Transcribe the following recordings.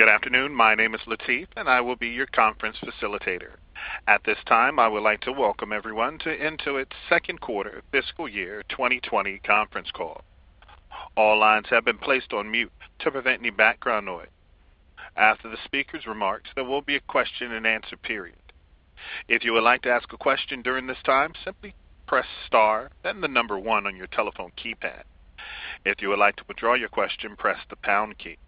Good afternoon. My name is Latif, and I will be your conference facilitator. At this time, I would like to welcome everyone to Intuit's second quarter fiscal year 2020 conference call. All lines have been placed on mute to prevent any background noise. After the speaker's remarks, there will be a question and answer period. If you would like to ask a question during this time, simply press star, then the number one on your telephone keypad. If you would like to withdraw your question, press the pound key.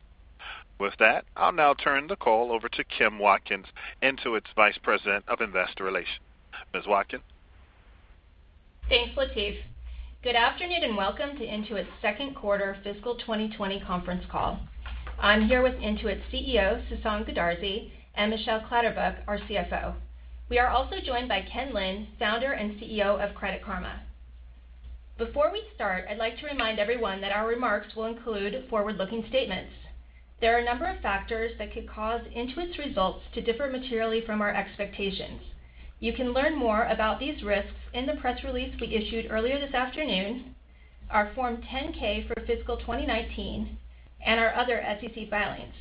With that, I'll now turn the call over to Kim Watkins, Intuit's Vice President of Investor Relations. Ms. Watkins? Thanks, Latif. Good afternoon. Welcome to Intuit's second quarter fiscal 2020 conference call. I'm here with Intuit's CEO, Sasan Goodarzi, and Michelle Clatterbuck, our CFO. We are also joined by Ken Lin, founder and CEO of Credit Karma. Before we start, I'd like to remind everyone that our remarks will include forward-looking statements. There are a number of factors that could cause Intuit's results to differ materially from our expectations. You can learn more about these risks in the press release we issued earlier this afternoon, our Form 10-K for fiscal 2019, and our other SEC filings.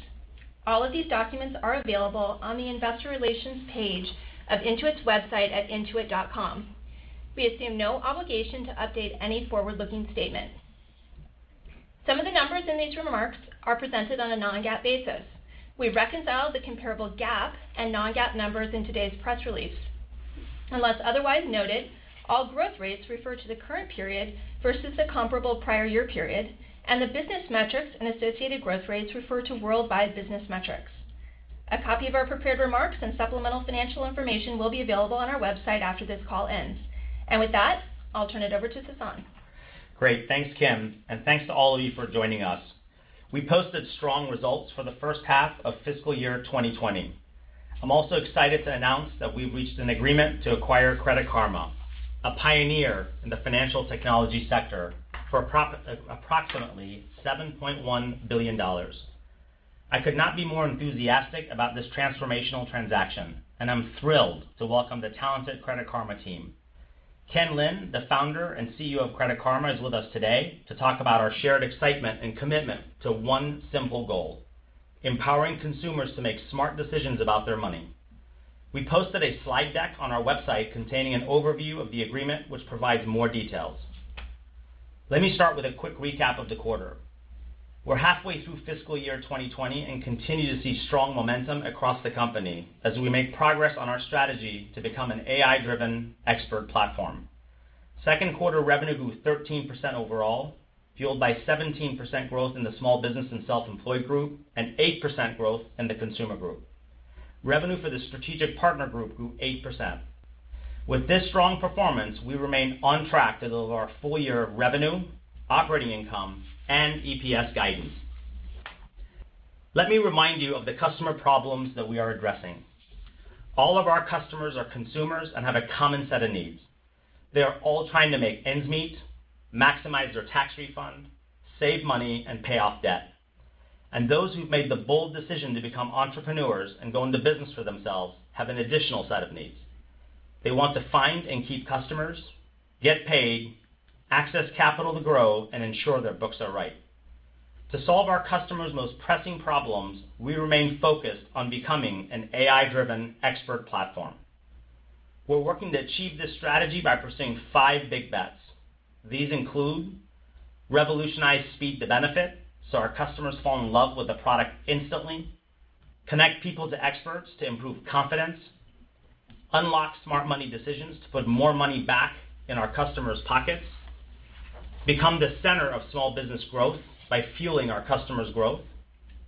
All of these documents are available on the investor relations page of Intuit's website at intuit.com. We assume no obligation to update any forward-looking statement. Some of the numbers in these remarks are presented on a non-GAAP basis. We've reconciled the comparable GAAP and non-GAAP numbers in today's press release. Unless otherwise noted, all growth rates refer to the current period versus the comparable prior year period, and the business metrics and associated growth rates refer to worldwide business metrics. A copy of our prepared remarks and supplemental financial information will be available on our website after this call ends. With that, I'll turn it over to Sasan. Great. Thanks, Kim, and thanks to all of you for joining us. We posted strong results for the first half of fiscal year 2020. I'm also excited to announce that we've reached an agreement to acquire Credit Karma, a pioneer in the financial technology sector, for approximately $7.1 billion. I could not be more enthusiastic about this transformational transaction, and I'm thrilled to welcome the talented Credit Karma team. Ken Lin, the founder and CEO of Credit Karma, is with us today to talk about our shared excitement and commitment to one simple goal, empowering consumers to make smart decisions about their money. We posted a slide deck on our website containing an overview of the agreement, which provides more details. Let me start with a quick recap of the quarter. We're halfway through fiscal year 2020 and continue to see strong momentum across the company as we make progress on our strategy to become an AI-driven expert platform. Second quarter revenue grew 13% overall, fueled by 17% growth in the Small Business and Self-Employed Group, 8% growth in the Consumer Group. Revenue for the Strategic Partner Group grew 8%. With this strong performance, we remain on track to deliver our full-year revenue, operating income, and EPS guidance. Let me remind you of the customer problems that we are addressing. All of our customers are consumers and have a common set of needs. They are all trying to make ends meet, maximize their tax refund, save money, and pay off debt. Those who've made the bold decision to become entrepreneurs and go into business for themselves have an additional set of needs. They want to find and keep customers, get paid, access capital to grow, and ensure their books are right. To solve our customers' most pressing problems, we remain focused on becoming an AI-driven expert platform. We're working to achieve this strategy by pursuing five big bets. These include revolutionize speed to benefit so our customers fall in love with the product instantly, connect people to experts to improve confidence, unlock smart money decisions to put more money back in our customers' pockets, become the center of small business growth by fueling our customers' growth,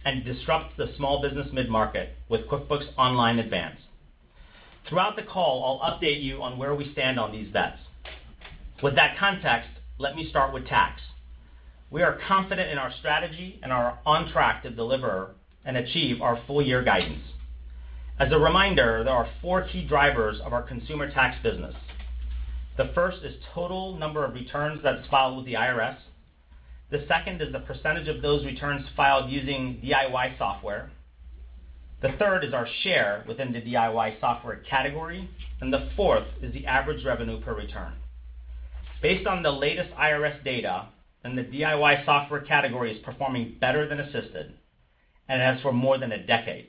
and disrupt the small business mid-market with QuickBooks Online Advanced. Throughout the call, I'll update you on where we stand on these bets. With that context, let me start with tax. We are confident in our strategy, and are on track to deliver and achieve our full-year guidance. As a reminder, there are four key drivers of our consumer tax business. The first is total number of returns that is filed with the IRS. The second is the percentage of those returns filed using DIY software. The third is our share within the DIY software category. The fourth is the average revenue per return. Based on the latest IRS data, the DIY software category is performing better than assisted, has for more than a decade.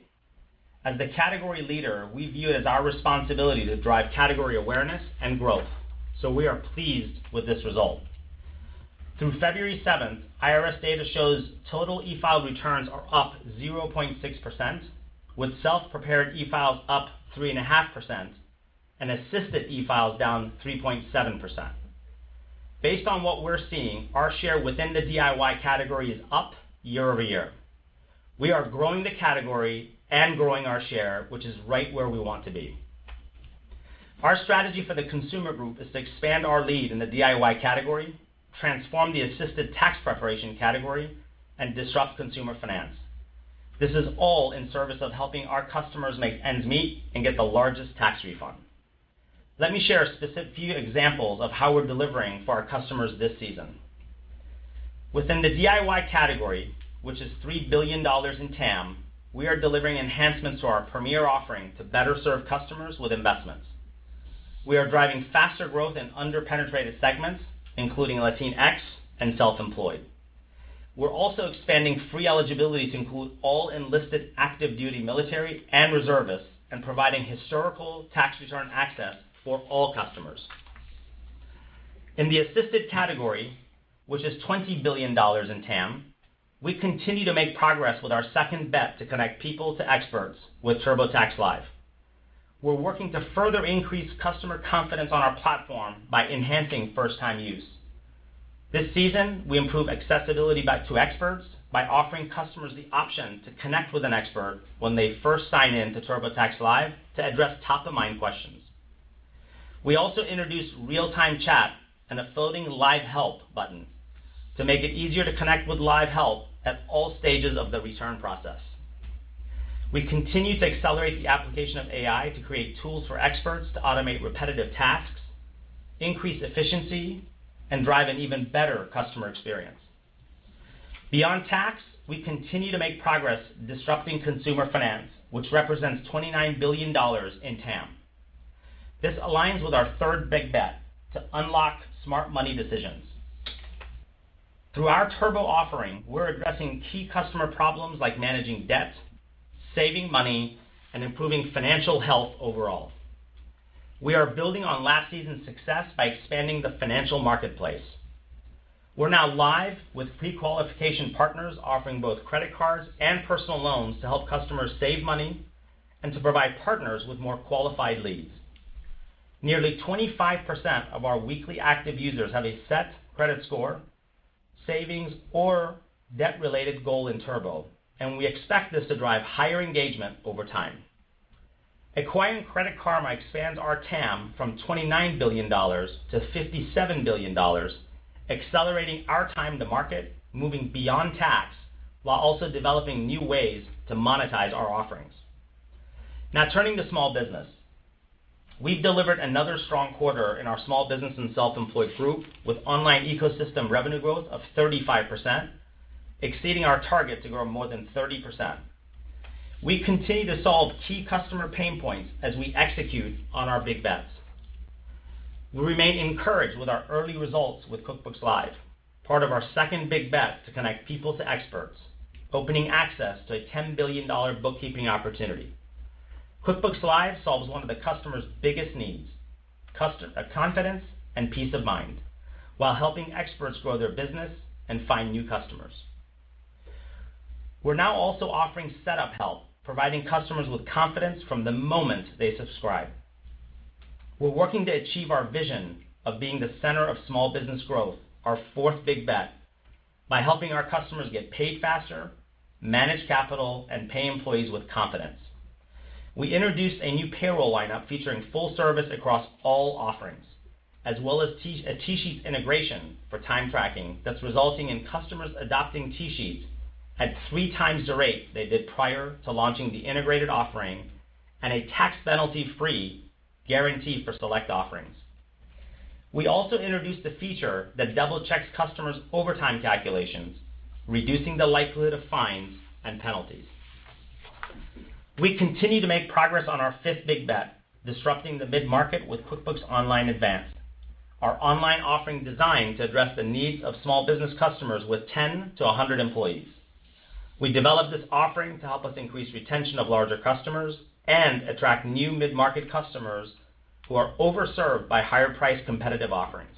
As the category leader, we view it as our responsibility to drive category awareness and growth. We are pleased with this result. Through February 7th, IRS data shows total e-filed returns are up 0.6%, with self-prepared e-files up 3.5% and assisted e-files down 3.7%. Based on what we're seeing, our share within the DIY category is up year-over-year. We are growing the category and growing our share, which is right where we want to be. Our strategy for the consumer group is to expand our lead in the DIY category, transform the assisted tax preparation category, and disrupt consumer finance. This is all in service of helping our customers make ends meet and get the largest tax refund. Let me share a few examples of how we're delivering for our customers this season. Within the DIY category, which is $3 billion in TAM, we are delivering enhancements to our premier offering to better serve customers with investments. We are driving faster growth in under-penetrated segments, including Latinx and self-employed. We're also expanding free eligibility to include all enlisted active duty military and reservists and providing historical tax return access for all customers. In the assisted category, which is $20 billion in TAM, we continue to make progress with our second bet to connect people to experts with TurboTax Live. We're working to further increase customer confidence on our platform by enhancing first-time use. This season, we improved accessibility back to experts by offering customers the option to connect with an expert when they first sign in to TurboTax Live to address top-of-mind questions. We also introduced real-time chat and a floating Live Help button to make it easier to connect with Live Help at all stages of the return process. We continue to accelerate the application of AI to create tools for experts to automate repetitive tasks, increase efficiency, and drive an even better customer experience. Beyond tax, we continue to make progress disrupting consumer finance, which represents $29 billion in TAM. This aligns with our third big bet to unlock smart money decisions. Through our Turbo offering, we're addressing key customer problems like managing debt, saving money, and improving financial health overall. We are building on last season's success by expanding the financial marketplace. We're now live with pre-qualification partners offering both credit cards and personal loans to help customers save money and to provide partners with more qualified leads. Nearly 25% of our weekly active users have a set credit score, savings, or debt-related goal in Turbo, and we expect this to drive higher engagement over time. Acquiring Credit Karma expands our TAM from $29 billion to $57 billion, accelerating our time to market, moving beyond tax, while also developing new ways to monetize our offerings. Now turning to small business. We've delivered another strong quarter in our Small Business and Self-Employed Group with online ecosystem revenue growth of 35%, exceeding our target to grow more than 30%. We continue to solve key customer pain points as we execute on our big bets. We remain encouraged with our early results with QuickBooks Live, part of our second big bet to connect people to experts, opening access to a $10 billion bookkeeping opportunity. QuickBooks Live solves one of the customer's biggest needs, confidence and peace of mind, while helping experts grow their business and find new customers. We're now also offering setup help, providing customers with confidence from the moment they subscribe. We're working to achieve our vision of being the center of small business growth, our fourth big bet, by helping our customers get paid faster, manage capital, and pay employees with confidence. We introduced a new payroll lineup featuring full service across all offerings, as well as a TSheets integration for time tracking that's resulting in customers adopting TSheets at three times the rate they did prior to launching the integrated offering and a tax penalty-free guarantee for select offerings. We also introduced a feature that double-checks customers' overtime calculations, reducing the likelihood of fines and penalties. We continue to make progress on our fifth big bet, disrupting the mid-market with QuickBooks Online Advanced, our online offering designed to address the needs of small business customers with 10 to 100 employees. We developed this offering to help us increase retention of larger customers and attract new mid-market customers who are over-served by higher-priced competitive offerings.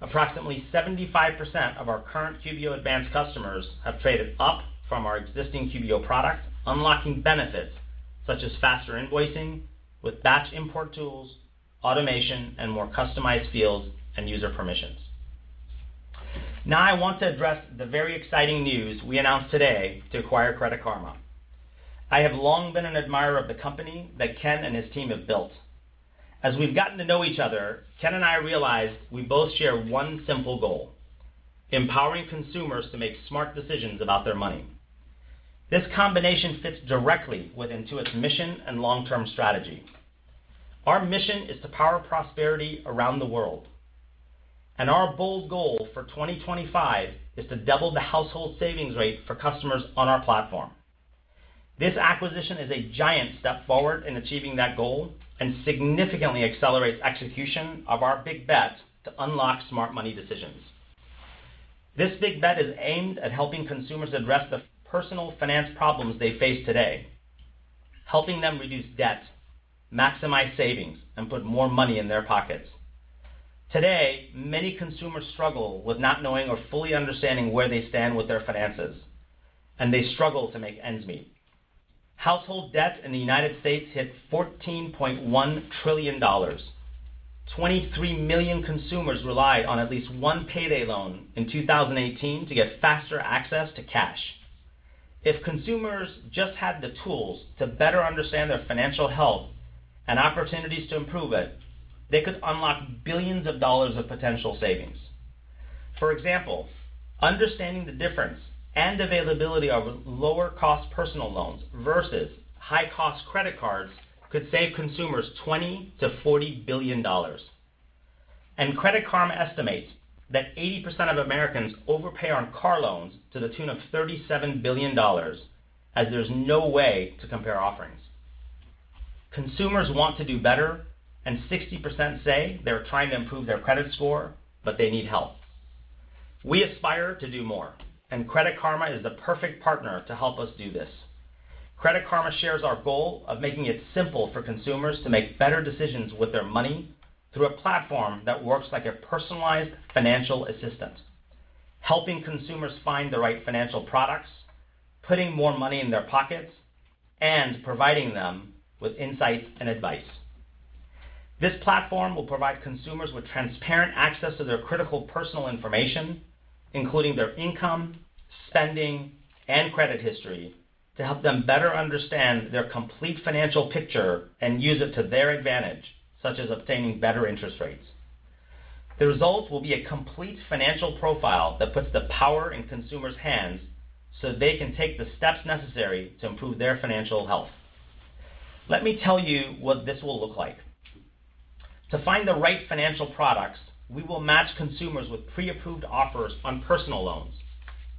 Approximately 75% of our current QBO Advanced customers have traded up from our existing QBO product, unlocking benefits such as faster invoicing with batch import tools, automation, and more customized fields and user permissions. I want to address the very exciting news we announced today to acquire Credit Karma. I have long been an admirer of the company that Ken and his team have built. As we've gotten to know each other, Ken and I realized we both share one simple goal, empowering consumers to make smart decisions about their money. This combination fits directly with Intuit's mission and long-term strategy. Our mission is to power prosperity around the world, and our bold goal for 2025 is to double the household savings rate for customers on our platform. This acquisition is a giant step forward in achieving that goal and significantly accelerates execution of our big bet to unlock smart money decisions. This big bet is aimed at helping consumers address the personal finance problems they face today, helping them reduce debt, maximize savings, and put more money in their pockets. Today, many consumers struggle with not knowing or fully understanding where they stand with their finances, and they struggle to make ends meet. Household debt in the United States hit $14.1 trillion. 23 million consumers relied on at least one payday loan in 2018 to get faster access to cash. If consumers just had the tools to better understand their financial health and opportunities to improve it, they could unlock billions of dollars of potential savings. For example, understanding the difference and availability of lower-cost personal loans versus high-cost credit cards could save consumers $20 billion-$40 billion. Credit Karma estimates that 80% of Americans overpay on car loans to the tune of $37 billion, as there's no way to compare offerings. Consumers want to do better, and 60% say they're trying to improve their credit score, but they need help. We aspire to do more, and Credit Karma is the perfect partner to help us do this. Credit Karma shares our goal of making it simple for consumers to make better decisions with their money through a platform that works like a personalized financial assistant, helping consumers find the right financial products, putting more money in their pockets, and providing them with insights and advice. This platform will provide consumers with transparent access to their critical personal information, including their income, spending, and credit history, to help them better understand their complete financial picture and use it to their advantage, such as obtaining better interest rates. The result will be a complete financial profile that puts the power in consumers' hands so they can take the steps necessary to improve their financial health. Let me tell you what this will look like. To find the right financial products, we will match consumers with pre-approved offers on personal loans,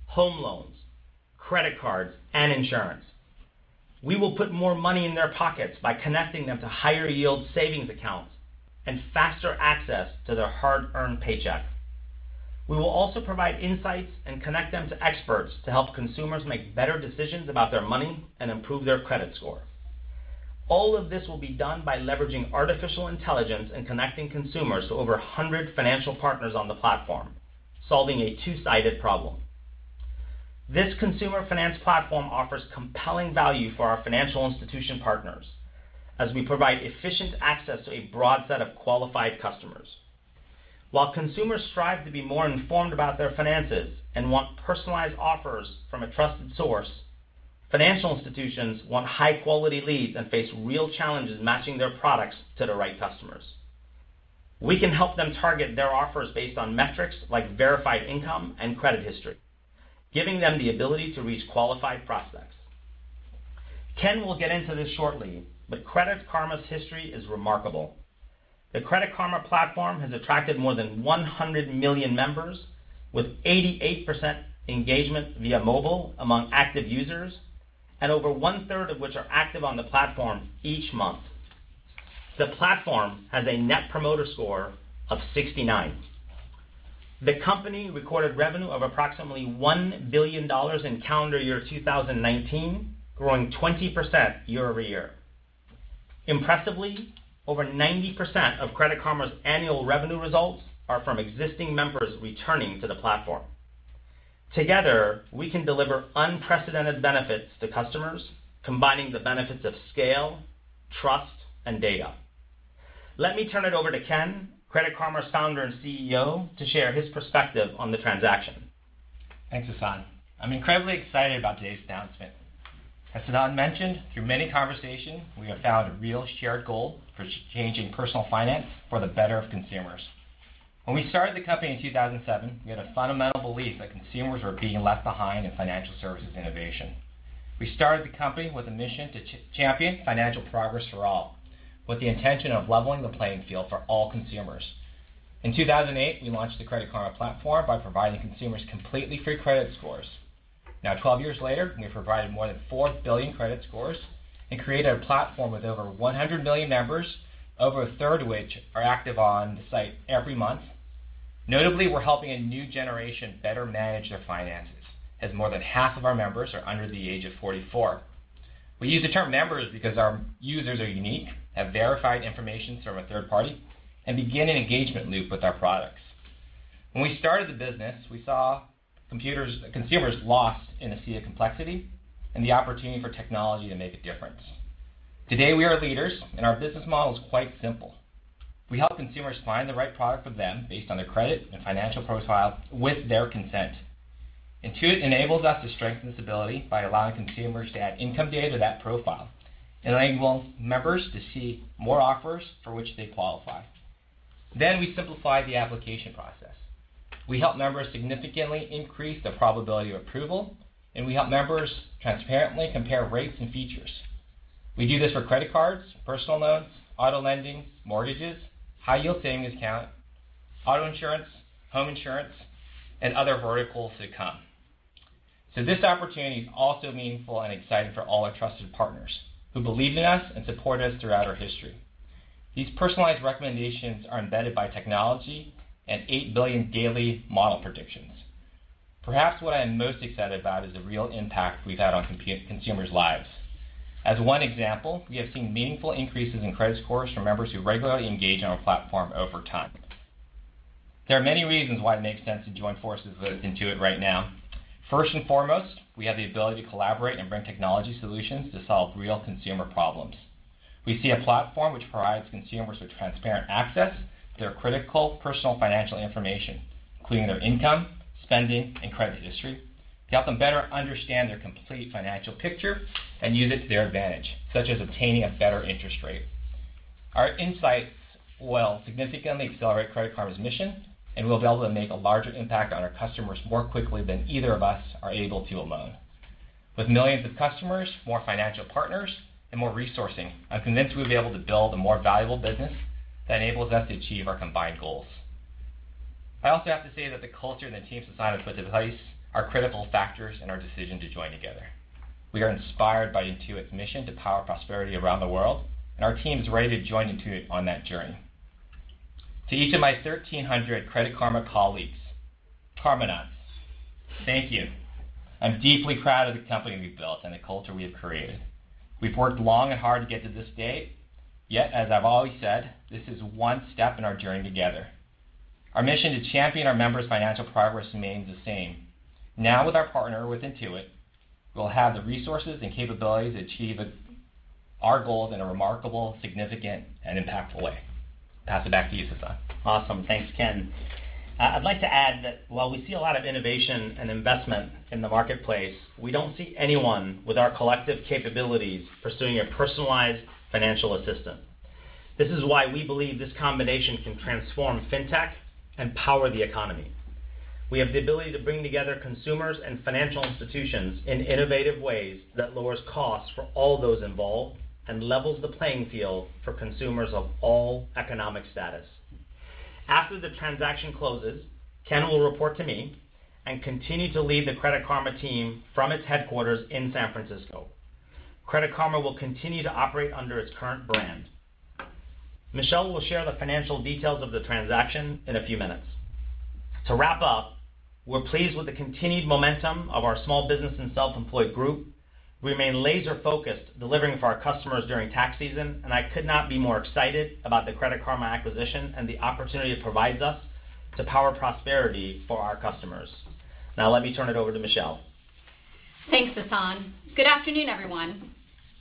home loans, credit cards, and insurance. We will put more money in their pockets by connecting them to higher yield savings accounts and faster access to their hard-earned paychecks. We will also provide insights and connect them to experts to help consumers make better decisions about their money and improve their credit score. All of this will be done by leveraging artificial intelligence and connecting consumers to over 100 financial partners on the platform, solving a two-sided problem. This consumer finance platform offers compelling value for our financial institution partners as we provide efficient access to a broad set of qualified customers. While consumers strive to be more informed about their finances and want personalized offers from a trusted source, financial institutions want high-quality leads and face real challenges matching their products to the right customers. We can help them target their offers based on metrics like verified income and credit history, giving them the ability to reach qualified prospects. Ken will get into this shortly, but Credit Karma's history is remarkable. The Credit Karma platform has attracted more than 100 million members, with 88% engagement via mobile among active users, and over one-third of which are active on the platform each month. The platform has a Net Promoter Score of 69. The company recorded revenue of approximately $1 billion in calendar year 2019, growing 20% year-over-year. Impressively, over 90% of Credit Karma's annual revenue results are from existing members returning to the platform. Together, we can deliver unprecedented benefits to customers, combining the benefits of scale, trust, and data. Let me turn it over to Ken, Credit Karma's Founder and CEO, to share his perspective on the transaction. Thanks, Sasan. I'm incredibly excited about today's announcement. As Sasan mentioned, through many conversations, we have found a real shared goal for changing personal finance for the better of consumers. When we started the company in 2007, we had a fundamental belief that consumers were being left behind in financial services innovation. We started the company with a mission to champion financial progress for all, with the intention of leveling the playing field for all consumers. In 2008, we launched the Credit Karma platform by providing consumers completely free credit scores. Now, 12 years later, we've provided more than 4 billion credit scores and created a platform with over 100 million members, over a third of which are active on the site every month. Notably, we're helping a new generation better manage their finances, as more than half of our members are under the age of 44. We use the term members because our users are unique, have verified information from a third party, and begin an engagement loop with our products. When we started the business, we saw consumers lost in a sea of complexity and the opportunity for technology to make a difference. Today, we are leaders, and our business model is quite simple. We help consumers find the right product for them based on their credit and financial profile, with their consent. Intuit enables us to strengthen this ability by allowing consumers to add income data to that profile, enabling members to see more offers for which they qualify. We simplify the application process. We help members significantly increase their probability of approval, and we help members transparently compare rates and features. We do this for credit cards, personal loans, auto lending, mortgages, high-yield savings account, auto insurance, home insurance, and other verticals to come. This opportunity is also meaningful and exciting for all our trusted partners who believed in us and supported us throughout our history. These personalized recommendations are embedded by technology and 8 billion daily model predictions. Perhaps what I'm most excited about is the real impact we've had on consumers' lives. As one example, we have seen meaningful increases in credit scores from members who regularly engage on our platform over time. There are many reasons why it makes sense to join forces with Intuit right now. First and foremost, we have the ability to collaborate and bring technology solutions to solve real consumer problems. We see a platform which provides consumers with transparent access to their critical personal financial information, including their income, spending, and credit history, to help them better understand their complete financial picture and use it to their advantage, such as obtaining a better interest rate. Our insights will significantly accelerate Credit Karma's mission, and we'll be able to make a larger impact on our customers more quickly than either of us are able to alone. With millions of customers, more financial partners, and more resourcing, I'm convinced we'll be able to build a more valuable business that enables us to achieve our combined goals. I also have to say that the culture and the team's alignment with Intuit's are critical factors in our decision to join together. We are inspired by Intuit's mission to power prosperity around the world, and our team is ready to join Intuit on that journey. To each of my 1,300 Credit Karma colleagues, Karmanauts, thank you. I'm deeply proud of the company we've built and the culture we have created. We've worked long and hard to get to this day. As I've always said, this is one step in our journey together. Our mission to champion our members' financial progress remains the same. Now with our partner, with Intuit, we'll have the resources and capabilities to achieve our goals in a remarkable, significant, and impactful way. Pass it back to you, Sasan. Awesome. Thanks, Ken. I'd like to add that while we see a lot of innovation and investment in the marketplace, we don't see anyone with our collective capabilities pursuing a personalized financial assistant. This is why we believe this combination can transform fintech and power the economy. We have the ability to bring together consumers and financial institutions in innovative ways that lowers costs for all those involved and levels the playing field for consumers of all economic status. After the transaction closes, Ken will report to me and continue to lead the Credit Karma team from its headquarters in San Francisco. Credit Karma will continue to operate under its current brand. Michelle will share the financial details of the transaction in a few minutes. To wrap up, we're pleased with the continued momentum of our Small Business and Self-Employed Group. We remain laser-focused delivering for our customers during tax season, and I could not be more excited about the Credit Karma acquisition and the opportunity it provides us to power prosperity for our customers. Now let me turn it over to Michelle. Thanks, Sasan. Good afternoon, everyone.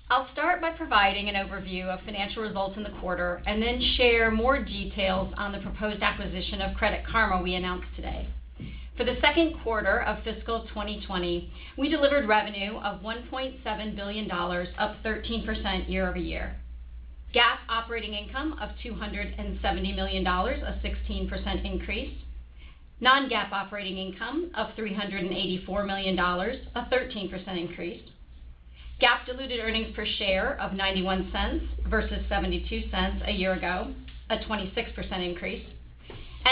I'll start by providing an overview of financial results in the quarter, and then share more details on the proposed acquisition of Credit Karma we announced today. For the second quarter of fiscal 2020, we delivered revenue of $1.7 billion, up 13% year-over-year. GAAP operating income of $270 million, a 16% increase. Non-GAAP operating income of $384 million, a 13% increase.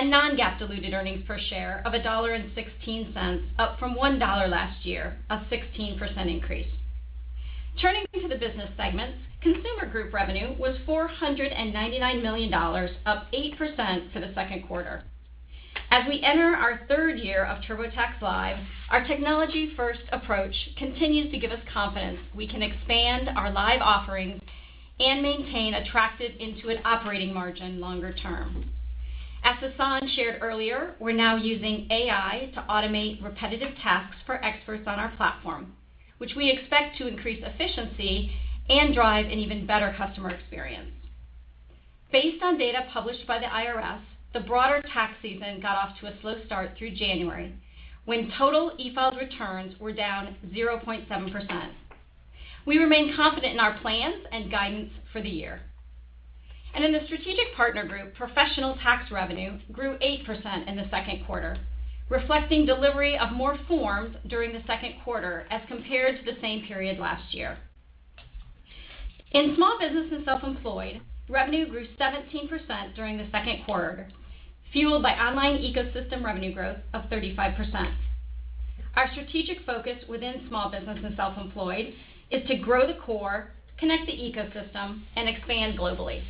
GAAP diluted earnings per share of $0.91 versus $0.72 a year ago, a 26% increase. Non-GAAP diluted earnings per share of $1.16, up from $1 last year, a 16% increase. Turning to the business segments, consumer group revenue was $499 million, up 8% for the second quarter. As we enter our third year of TurboTax Live, our technology-first approach continues to give us confidence we can expand our Live offerings and maintain attractive Intuit operating margin longer term. As Sasan shared earlier, we're now using AI to automate repetitive tasks for experts on our platform, which we expect to increase efficiency and drive an even better customer experience. Based on data published by the IRS, the broader tax season got off to a slow start through January, when total e-filed returns were down 0.7%. We remain confident in our plans and guidance for the year. In the Strategic Partner Group, professional tax revenue grew 8% in the second quarter, reflecting delivery of more forms during the second quarter as compared to the same period last year. In Small Business and Self-Employed, revenue grew 17% during the second quarter, fueled by Online Ecosystem revenue growth of 35%. Our strategic focus within Small Business and Self-Employed is to grow the core, connect the ecosystem, and expand globally.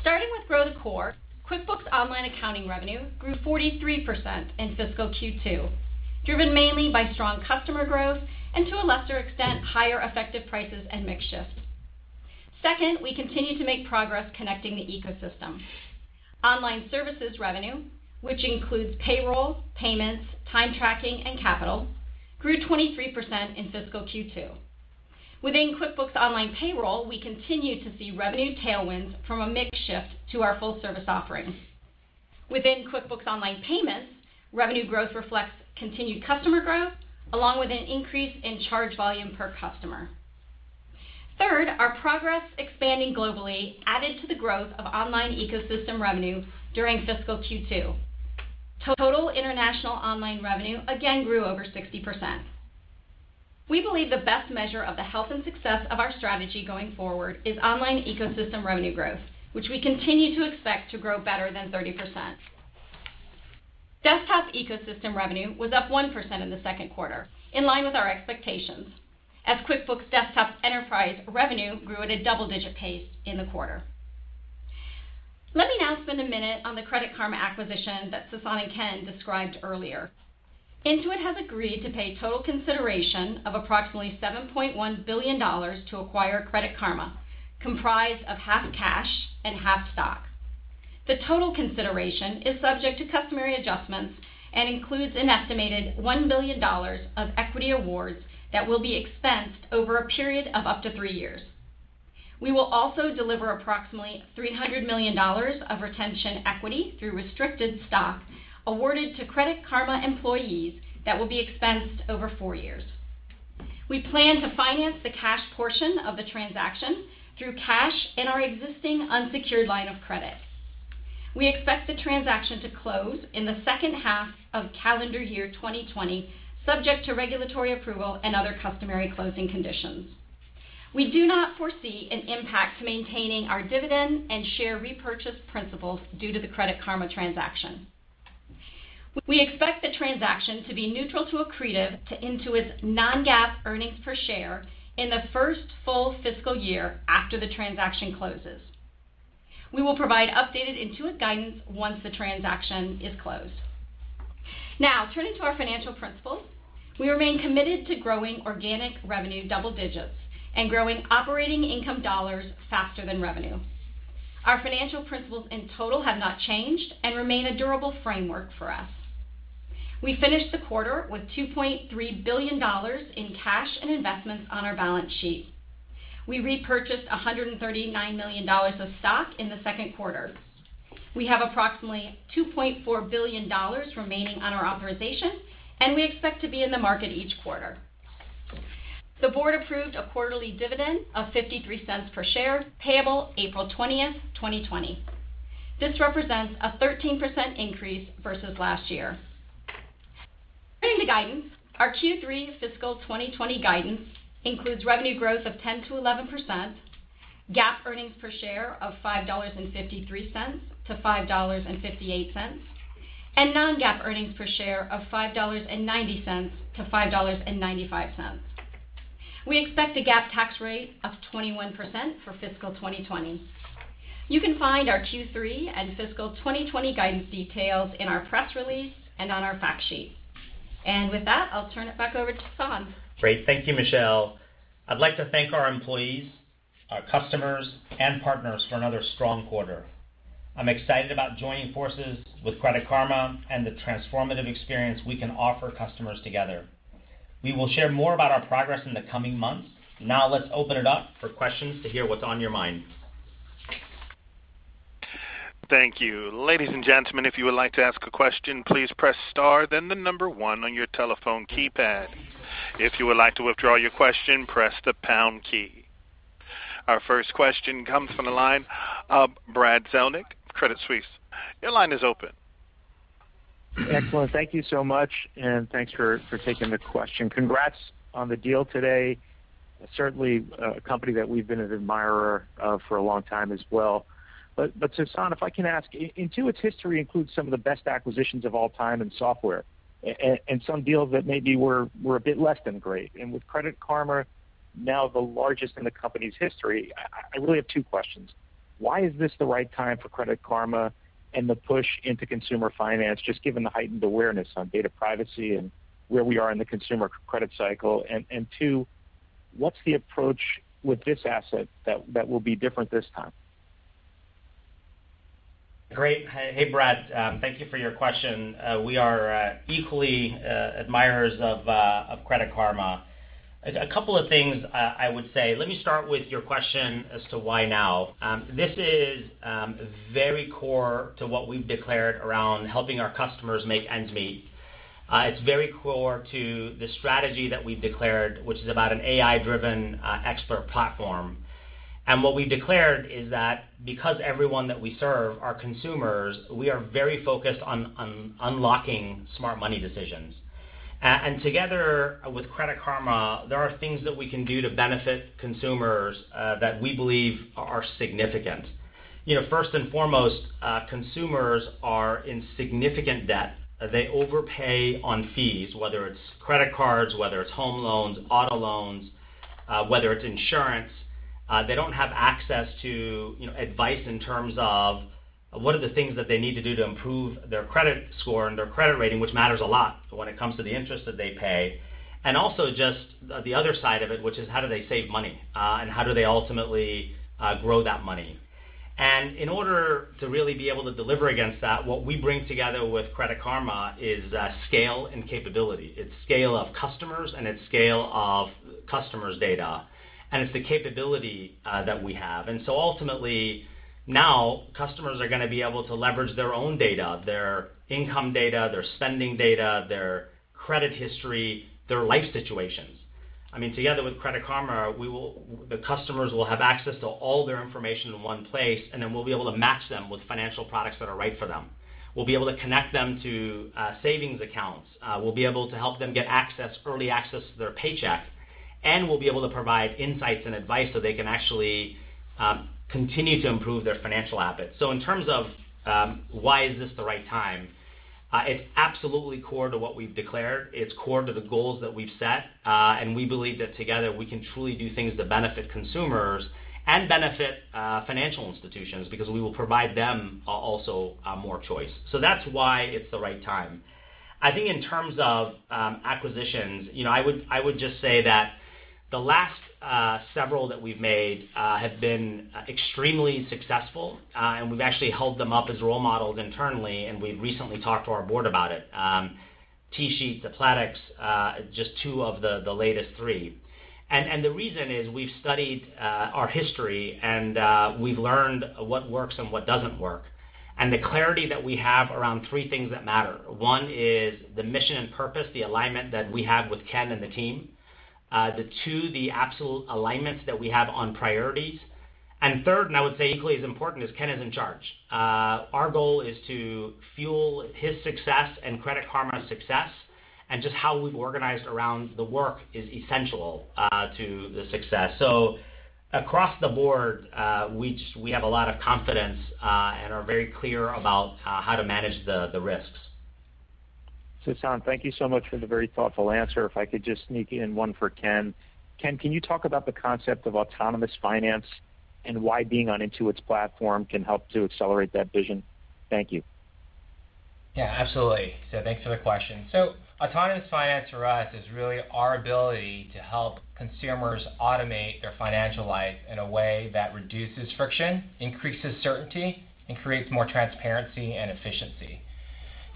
Starting with grow the core, QuickBooks Online accounting revenue grew 43% in fiscal Q2, driven mainly by strong customer growth and, to a lesser extent, higher effective prices and mix shift. Second, we continue to make progress connecting the ecosystem. Online services revenue, which includes payroll, payments, time tracking, and capital, grew 23% in fiscal Q2. Within QuickBooks Online Payroll, we continue to see revenue tailwinds from a mix shift to our full service offerings. Within QuickBooks Online Payments, revenue growth reflects continued customer growth, along with an increase in charge volume per customer. Third, our progress expanding globally added to the growth of online ecosystem revenue during fiscal Q2. Total international online revenue again grew over 60%. We believe the best measure of the health and success of our strategy going forward is online ecosystem revenue growth, which we continue to expect to grow better than 30%. Desktop ecosystem revenue was up 1% in the second quarter, in line with our expectations, as QuickBooks Desktop Enterprise revenue grew at a double-digit pace in the quarter. Let me now spend a minute on the Credit Karma acquisition that Sasan and Ken described earlier. Intuit has agreed to pay total consideration of approximately $7.1 billion to acquire Credit Karma, comprised of half cash and half stock. The total consideration is subject to customary adjustments and includes an estimated $1 billion of equity awards that will be expensed over a period of up to three years. We will also deliver approximately $300 million of retention equity through restricted stock awarded to Credit Karma employees that will be expensed over four years. We plan to finance the cash portion of the transaction through cash in our existing unsecured line of credit. We expect the transaction to close in the second half of calendar year 2020, subject to regulatory approval and other customary closing conditions. We do not foresee an impact to maintaining our dividend and share repurchase principles due to the Credit Karma transaction. We expect the transaction to be neutral to accretive to Intuit's non-GAAP earnings per share in the first full fiscal year after the transaction closes. We will provide updated Intuit guidance once the transaction is closed. Now, turning to our financial principles, we remain committed to growing organic revenue double digits and growing operating income dollars faster than revenue. Our financial principles in total have not changed and remain a durable framework for us. We finished the quarter with $2.3 billion in cash and investments on our balance sheet. We repurchased $139 million of stock in the second quarter. We have approximately $2.4 billion remaining on our authorization. We expect to be in the market each quarter. The board approved a quarterly dividend of $0.53 per share, payable April 20th, 2020. This represents a 13% increase versus last year. Turning to guidance, our Q3 fiscal 2020 guidance includes revenue growth of 10%-11%, GAAP earnings per share of $5.53-$5.58, and non-GAAP earnings per share of $5.90-$5.95. We expect a GAAP tax rate of 21% for fiscal 2020. You can find our Q3 and fiscal 2020 guidance details in our press release and on our fact sheet. With that, I'll turn it back over to Sasan. Great. Thank you, Michelle. I'd like to thank our employees, our customers, and partners for another strong quarter. I'm excited about joining forces with Credit Karma and the transformative experience we can offer customers together. We will share more about our progress in the coming months. Let's open it up for questions to hear what's on your mind. Thank you. Ladies and gentlemen, if you would like to ask a question, please press star, then the number one on your telephone keypad. If you would like to withdraw your question, press the pound key. Our first question comes from the line of Brad Zelnick, Credit Suisse. Your line is open. Excellent. Thank you so much, and thanks for taking the question. Congrats on the deal today. Certainly a company that we've been an admirer of for a long time as well. Sasan, if I can ask, Intuit's history includes some of the best acquisitions of all time in software and some deals that maybe were a bit less than great. With Credit Karma now the largest in the company's history, I really have two questions. Why is this the right time for Credit Karma and the push into consumer finance, just given the heightened awareness on data privacy and where we are in the consumer credit cycle? Two, what's the approach with this asset that will be different this time? Great. Hey, Brad. Thank you for your question. We are equally admirers of Credit Karma. A couple of things I would say. Let me start with your question as to why now. This is very core to what we've declared around helping our customers make ends meet. It's very core to the strategy that we've declared, which is about an AI-driven expert platform. What we've declared is that because everyone that we serve are consumers, we are very focused on unlocking smart money decisions. Together with Credit Karma, there are things that we can do to benefit consumers that we believe are significant. First and foremost, consumers are in significant debt. They overpay on fees, whether it's credit cards, whether it's home loans, auto loans, whether it's insurance. They don't have access to advice in terms of what are the things that they need to do to improve their credit score and their credit rating, which matters a lot when it comes to the interest that they pay. Also just the other side of it, which is how do they save money? How do they ultimately grow that money? In order to really be able to deliver against that, what we bring together with Credit Karma is scale and capability. It's scale of customers and it's scale of customers' data, and it's the capability that we have. Ultimately, now customers are going to be able to leverage their own data, their income data, their spending data, their credit history, their life situations. Together with Credit Karma, the customers will have access to all their information in one place, and then we'll be able to match them with financial products that are right for them. We'll be able to connect them to savings accounts. We'll be able to help them get early access to their paycheck, and we'll be able to provide insights and advice so they can actually continue to improve their financial habits. In terms of why is this the right time, it's absolutely core to what we've declared. It's core to the goals that we've set, and we believe that together we can truly do things that benefit consumers and benefit financial institutions because we will provide them also more choice. That's why it's the right time. I think in terms of acquisitions, I would just say that the last several that we've made have been extremely successful, and we've actually held them up as role models internally, and we've recently talked to our board about it. TSheets, Applatix, just two of the latest three. The reason is we've studied our history and we've learned what works and what doesn't work, and the clarity that we have around three things that matter. One is the mission and purpose, the alignment that we have with Ken and the team. The two, the absolute alignments that we have on priorities. Third, and I would say equally as important, is Ken is in charge. Our goal is to fuel his success and Credit Karma's success, and just how we've organized around the work is essential to the success. Across the board, we have a lot of confidence and are very clear about how to manage the risks. Sasan, thank you so much for the very thoughtful answer. If I could just sneak in one for Ken. Ken, can you talk about the concept of autonomous finance and why being on Intuit's platform can help to accelerate that vision? Thank you. Yeah, absolutely. Thanks for the question. Autonomous finance for us is really our ability to help consumers automate their financial life in a way that reduces friction, increases certainty, and creates more transparency and efficiency.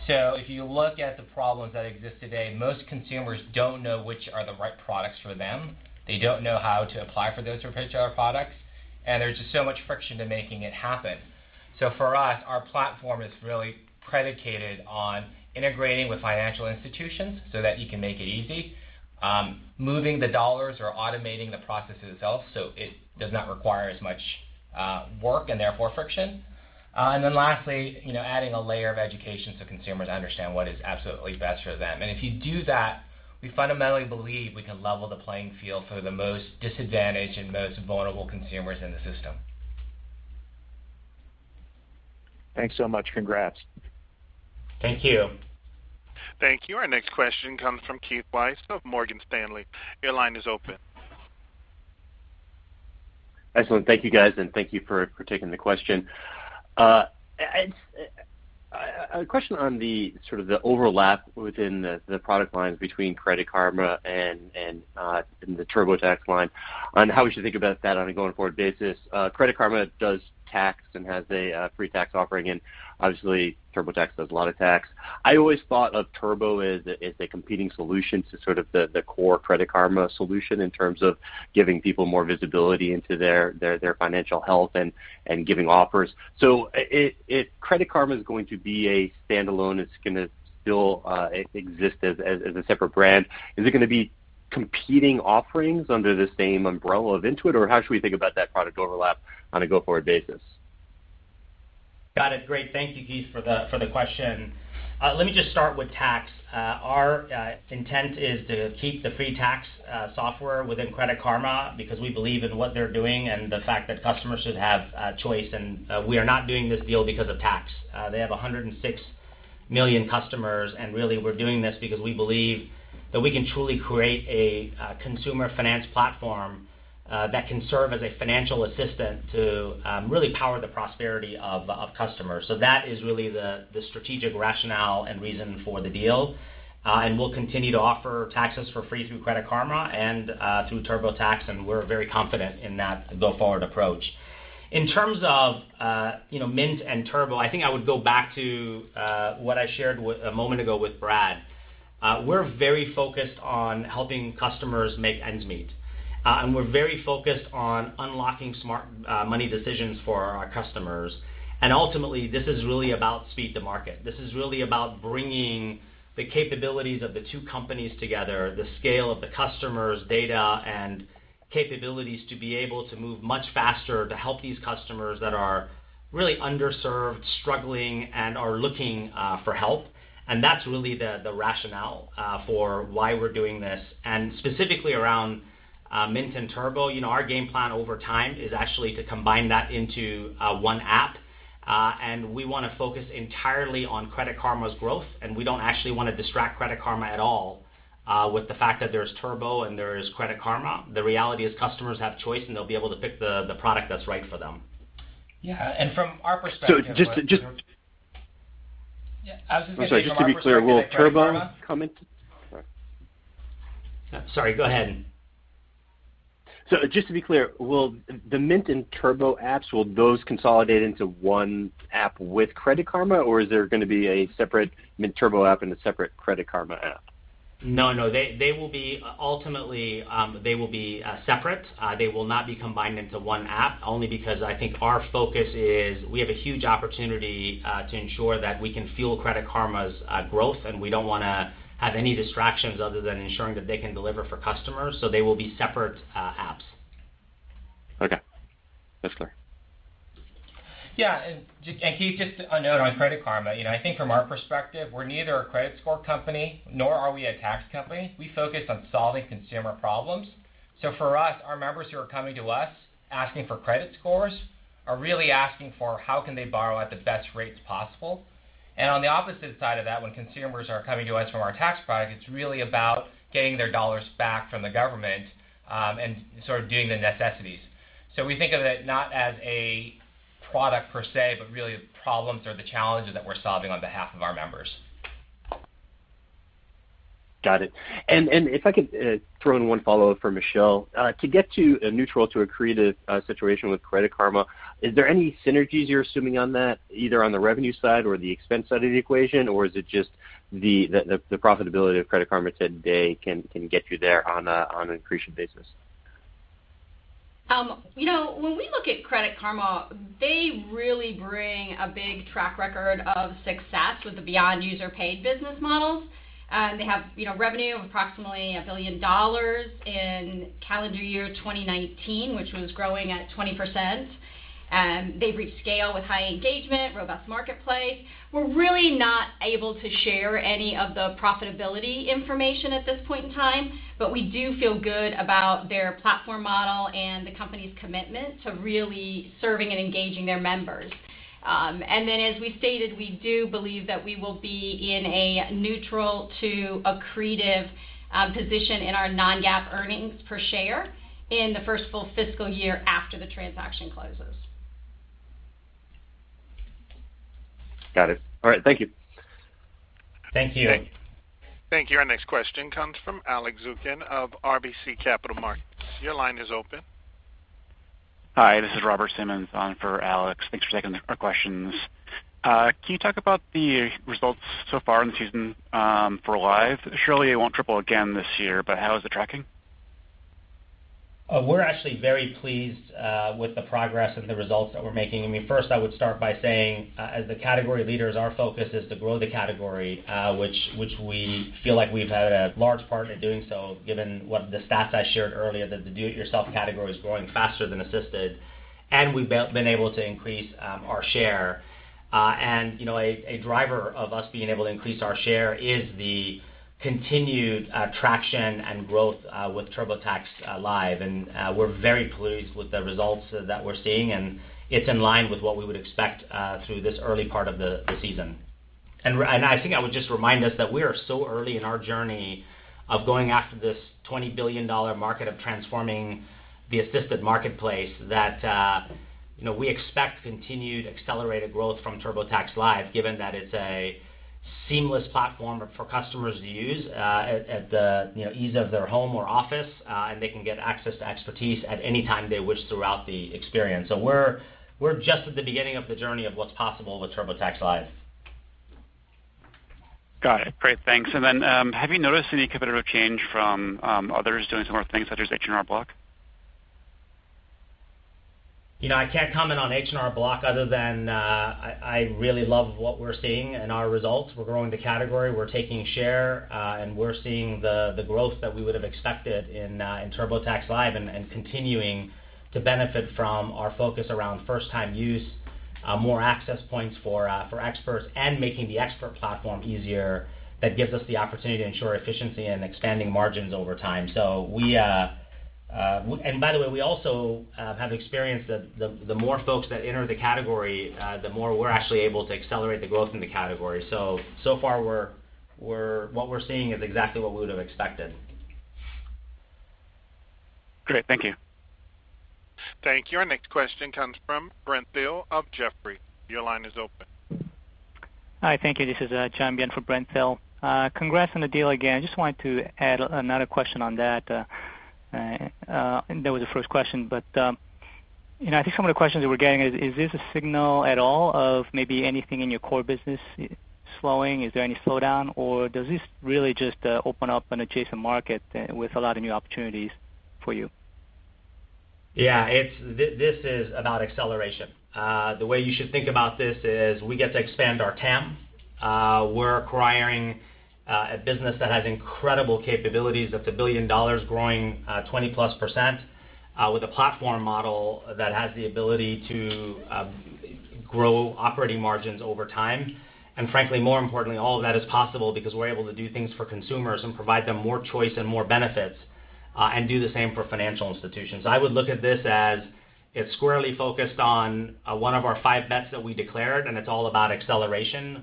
If you look at the problems that exist today, most consumers don't know which are the right products for them. They don't know how to apply for those particular products, and there's just so much friction to making it happen. For us, our platform is really predicated on integrating with financial institutions so that you can make it easy. Moving the dollars or automating the processes itself, so it does not require as much work, and therefore friction. Lastly, adding a layer of education so consumers understand what is absolutely best for them. If you do that, we fundamentally believe we can level the playing field for the most disadvantaged and most vulnerable consumers in the system. Thanks so much. Congrats. Thank you. Thank you. Our next question comes from Keith Weiss of Morgan Stanley. Your line is open. Excellent. Thank you, guys, and thank you for taking the question. A question on the overlap within the product lines between Credit Karma and the TurboTax line on how we should think about that on a going-forward basis. Credit Karma does tax and has a free tax offering, obviously TurboTax does a lot of tax. I always thought of Turbo as a competing solution to the core Credit Karma solution in terms of giving people more visibility into their financial health and giving offers. If Credit Karma's going to be a standalone, it's going to still exist as a separate brand. Is it going to be competing offerings under the same umbrella of Intuit, or how should we think about that product overlap on a go-forward basis? Got it. Great. Thank you, Keith, for the question. Let me just start with tax. Our intent is to keep the free tax software within Credit Karma because we believe in what they're doing and the fact that customers should have a choice. We are not doing this deal because of tax. They have 106 million customers. Really, we're doing this because we believe that we can truly create a consumer finance platform that can serve as a financial assistant to really power the prosperity of customers. That is really the strategic rationale and reason for the deal. We'll continue to offer taxes for free through Credit Karma and through TurboTax. We're very confident in that go-forward approach. In terms of Mint and Turbo, I think I would go back to what I shared a moment ago with Brad. We're very focused on helping customers make ends meet. We're very focused on unlocking smart money decisions for our customers. Ultimately, this is really about speed to market. This is really about bringing the capabilities of the two companies together, the scale of the customer's data, and capabilities to be able to move much faster to help these customers that are really underserved, struggling, and are looking for help. That's really the rationale for why we're doing this. Specifically around Mint and Turbo, our game plan over time is actually to combine that into one app, and we want to focus entirely on Credit Karma's growth, and we don't actually want to distract Credit Karma at all with the fact that there's Turbo and there's Credit Karma. The reality is customers have choice, and they'll be able to pick the product that's right for them. Yeah. From our perspective. So just to- Yeah. I was going to say from our perspective at Credit Karma. Sorry. Sorry. Go ahead. Just to be clear, will the Mint and Turbo apps, will those consolidate into one app with Credit Karma, or is there going to be a separate Mint Turbo app and a separate Credit Karma app? No, ultimately they will be separate. They will not be combined into one app, only because I think our focus is we have a huge opportunity to ensure that we can fuel Credit Karma's growth, and we don't want to have any distractions other than ensuring that they can deliver for customers. They will be separate apps. Okay. That's clear. Yeah. Keith, just a note on Credit Karma. I think from our perspective, we're neither a credit score company nor are we a tax company. We focus on solving consumer problems. For us, our members who are coming to us asking for credit scores are really asking for how can they borrow at the best rates possible. On the opposite side of that, when consumers are coming to us from our tax product, it's really about getting their dollars back from the government, and doing the necessities. We think of it not as a product per se, but really the problems or the challenges that we're solving on behalf of our members. Got it. If I could throw in one follow-up for Michelle. To get to a neutral to accretive situation with Credit Karma, is there any synergies you're assuming on that, either on the revenue side or the expense side of the equation, or is it just the profitability of Credit Karma today can get you there on an accretion basis? When we look at Credit Karma, they really bring a big track record of success with the beyond-user-paid business models. They have revenue of approximately $1 billion in calendar year 2019, which was growing at 20%. They've reached scale with high engagement, robust marketplace. We're really not able to share any of the profitability information at this point in time. We do feel good about their platform model and the company's commitment to really serving and engaging their members. As we stated, we do believe that we will be in a neutral to accretive position in our non-GAAP earnings per share in the first full fiscal year after the transaction closes. Got it. All right, thank you. Thank you. Thank you. Our next question comes from Alex Zukin of RBC Capital Markets. Your line is open. Hi, this is Robert Simmons on for Alex. Thanks for taking our questions. Can you talk about the results so far in the season, for Live? Surely it won't triple again this year, but how is it tracking? We're actually very pleased with the progress and the results that we're making. First, I would start by saying, as the category leaders, our focus is to grow the category, which we feel like we've had a large part in doing so, given the stats I shared earlier, that the do-it-yourself category is growing faster than assisted, and we've been able to increase our share. A driver of us being able to increase our share is the continued traction and growth with TurboTax Live. We're very pleased with the results that we're seeing, and it's in line with what we would expect through this early part of the season. I think I would just remind us that we are so early in our journey of going after this $20 billion market of transforming the assisted marketplace that we expect continued accelerated growth from TurboTax Live, given that it's a seamless platform for customers to use at the ease of their home or office. They can get access to expertise at any time they wish throughout the experience. We're just at the beginning of the journey of what's possible with TurboTax Live. Got it. Great, thanks. Have you noticed any competitive change from others doing similar things such as H&R Block? I can't comment on H&R Block other than, I really love what we're seeing in our results. We're growing the category, we're taking share, and we're seeing the growth that we would've expected in TurboTax Live. Continuing to benefit from our focus around first time use, more access points for experts, and making the expert platform easier. That gives us the opportunity to ensure efficiency and expanding margins over time. By the way, we also have experienced that the more folks that enter the category, the more we're actually able to accelerate the growth in the category. So far what we're seeing is exactly what we would've expected. Great. Thank you. Thank you. Our next question comes from Brent Thill of Jefferies. Your line is open. Hi, thank you. This is [Jian] for Brent Thill. Congrats on the deal again. Just wanted to add another question on that. That was the first question, but I think some of the questions we're getting is this a signal at all of maybe anything in your core business slowing? Is there any slowdown, or does this really just open up an adjacent market with a lot of new opportunities for you? Yeah, this is about acceleration. The way you should think about this is we get to expand our TAM. We're acquiring a business that has incredible capabilities, up to $1 billion, growing, 20%+, with a platform model that has the ability to grow operating margins over time. Frankly, more importantly, all of that is possible because we're able to do things for consumers and provide them more choice and more benefits, and do the same for financial institutions. I would look at this as it's squarely focused on one of our five bets that we declared, it's all about acceleration,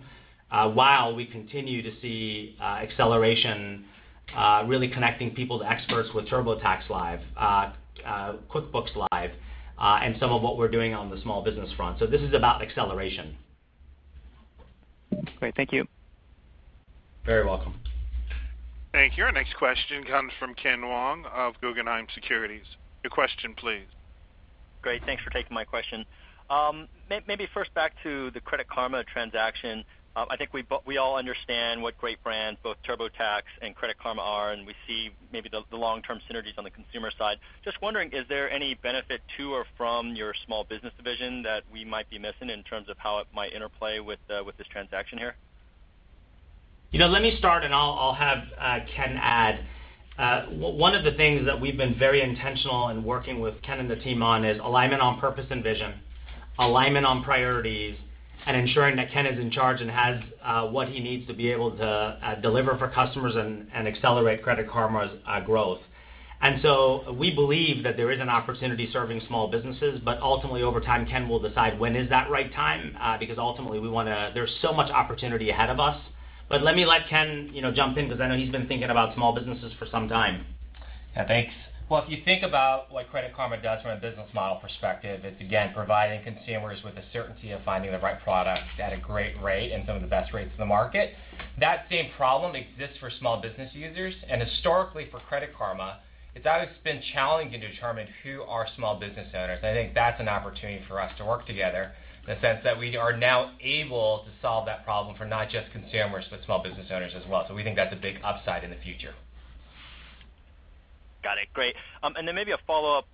while we continue to see acceleration really connecting people to experts with TurboTax Live, QuickBooks Live, and some of what we're doing on the small business front. This is about acceleration. Great. Thank you. Very welcome. Thank you. Our next question comes from Ken Wong of Guggenheim Securities. Your question please. Great. Thanks for taking my question. Maybe first back to the Credit Karma transaction. I think we all understand what great brands both TurboTax and Credit Karma are. We see maybe the long-term synergies on the consumer side. Just wondering, is there any benefit to or from your small business division that we might be missing in terms of how it might interplay with this transaction here? Let me start. I'll have Ken add. One of the things that we've been very intentional in working with Ken and the team on is alignment on purpose and vision, alignment on priorities, and ensuring that Ken is in charge and has what he needs to be able to deliver for customers and accelerate Credit Karma's growth. We believe that there is an opportunity serving small businesses, but ultimately over time, Ken will decide when is that right time, because ultimately there's so much opportunity ahead of us. Let Ken jump in, because I know he's been thinking about small businesses for some time. Thanks. If you think about what Credit Karma does from a business model perspective, it's again, providing consumers with the certainty of finding the right product at a great rate and some of the best rates in the market. That same problem exists for small business users. Historically for Credit Karma, it's always been challenging to determine who are small business owners. I think that's an opportunity for us to work together in the sense that we are now able to solve that problem for not just consumers, but small business owners as well. We think that's a big upside in the future. Got it. Great. Then maybe a follow-up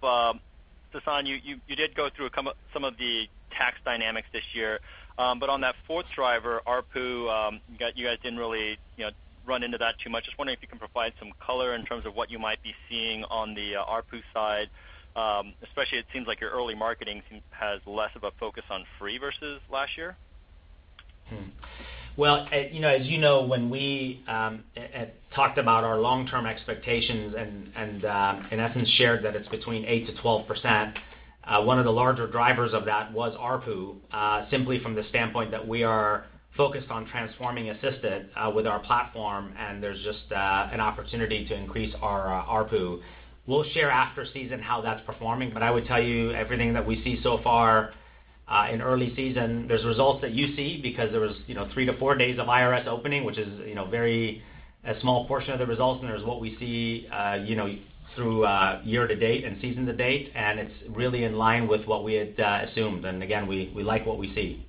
Sasan, you did go through some of the tax dynamics this year. On that fourth driver, ARPU, you guys didn't really run into that too much. Just wondering if you can provide some color in terms of what you might be seeing on the ARPU side. Especially it seems like your early marketing has less of a focus on free versus last year. As you know, when we talked about our long-term expectations and in essence shared that it's between 8%-12%, one of the larger drivers of that was ARPU, simply from the standpoint that we are focused on transforming Intuit with our platform, and there's just an opportunity to increase our ARPU. We'll share after season how that's performing, but I would tell you everything that we see so far in early season, there's results that you see because there was three to four days of IRS opening, which is a very small portion of the results, and there's what we see through year to date and season to date, and it's really in line with what we had assumed. Again, we like what we see.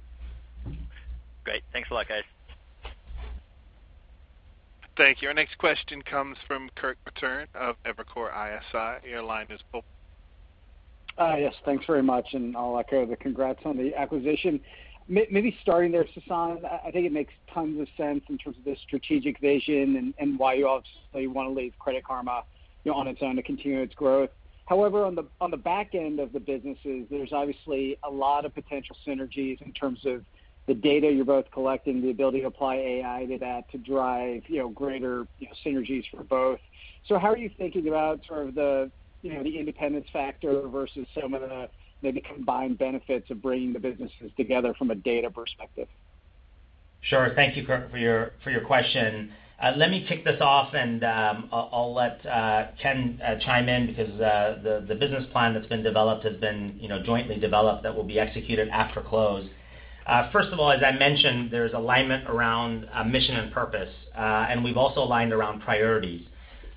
Great. Thanks a lot, guys. Thank you. Our next question comes from Kirk Materne of Evercore ISI. Your line is open. Yes, thanks very much, and I'll echo the congrats on the acquisition. Maybe starting there, Sasan, I think it makes tons of sense in terms of the strategic vision and why you obviously want to leave Credit Karma on its own to continue its growth. However, on the back end of the businesses, there's obviously a lot of potential synergies in terms of the data you're both collecting, the ability to apply AI to that to drive greater synergies for both. How are you thinking about the independence factor versus some of the maybe combined benefits of bringing the businesses together from a data perspective? Thank you, Kirk, for your question. Let me kick this off and I'll let Ken chime in because the business plan that's been developed has been jointly developed that will be executed after close. First of all, as I mentioned, there's alignment around mission and purpose. We've also aligned around priorities.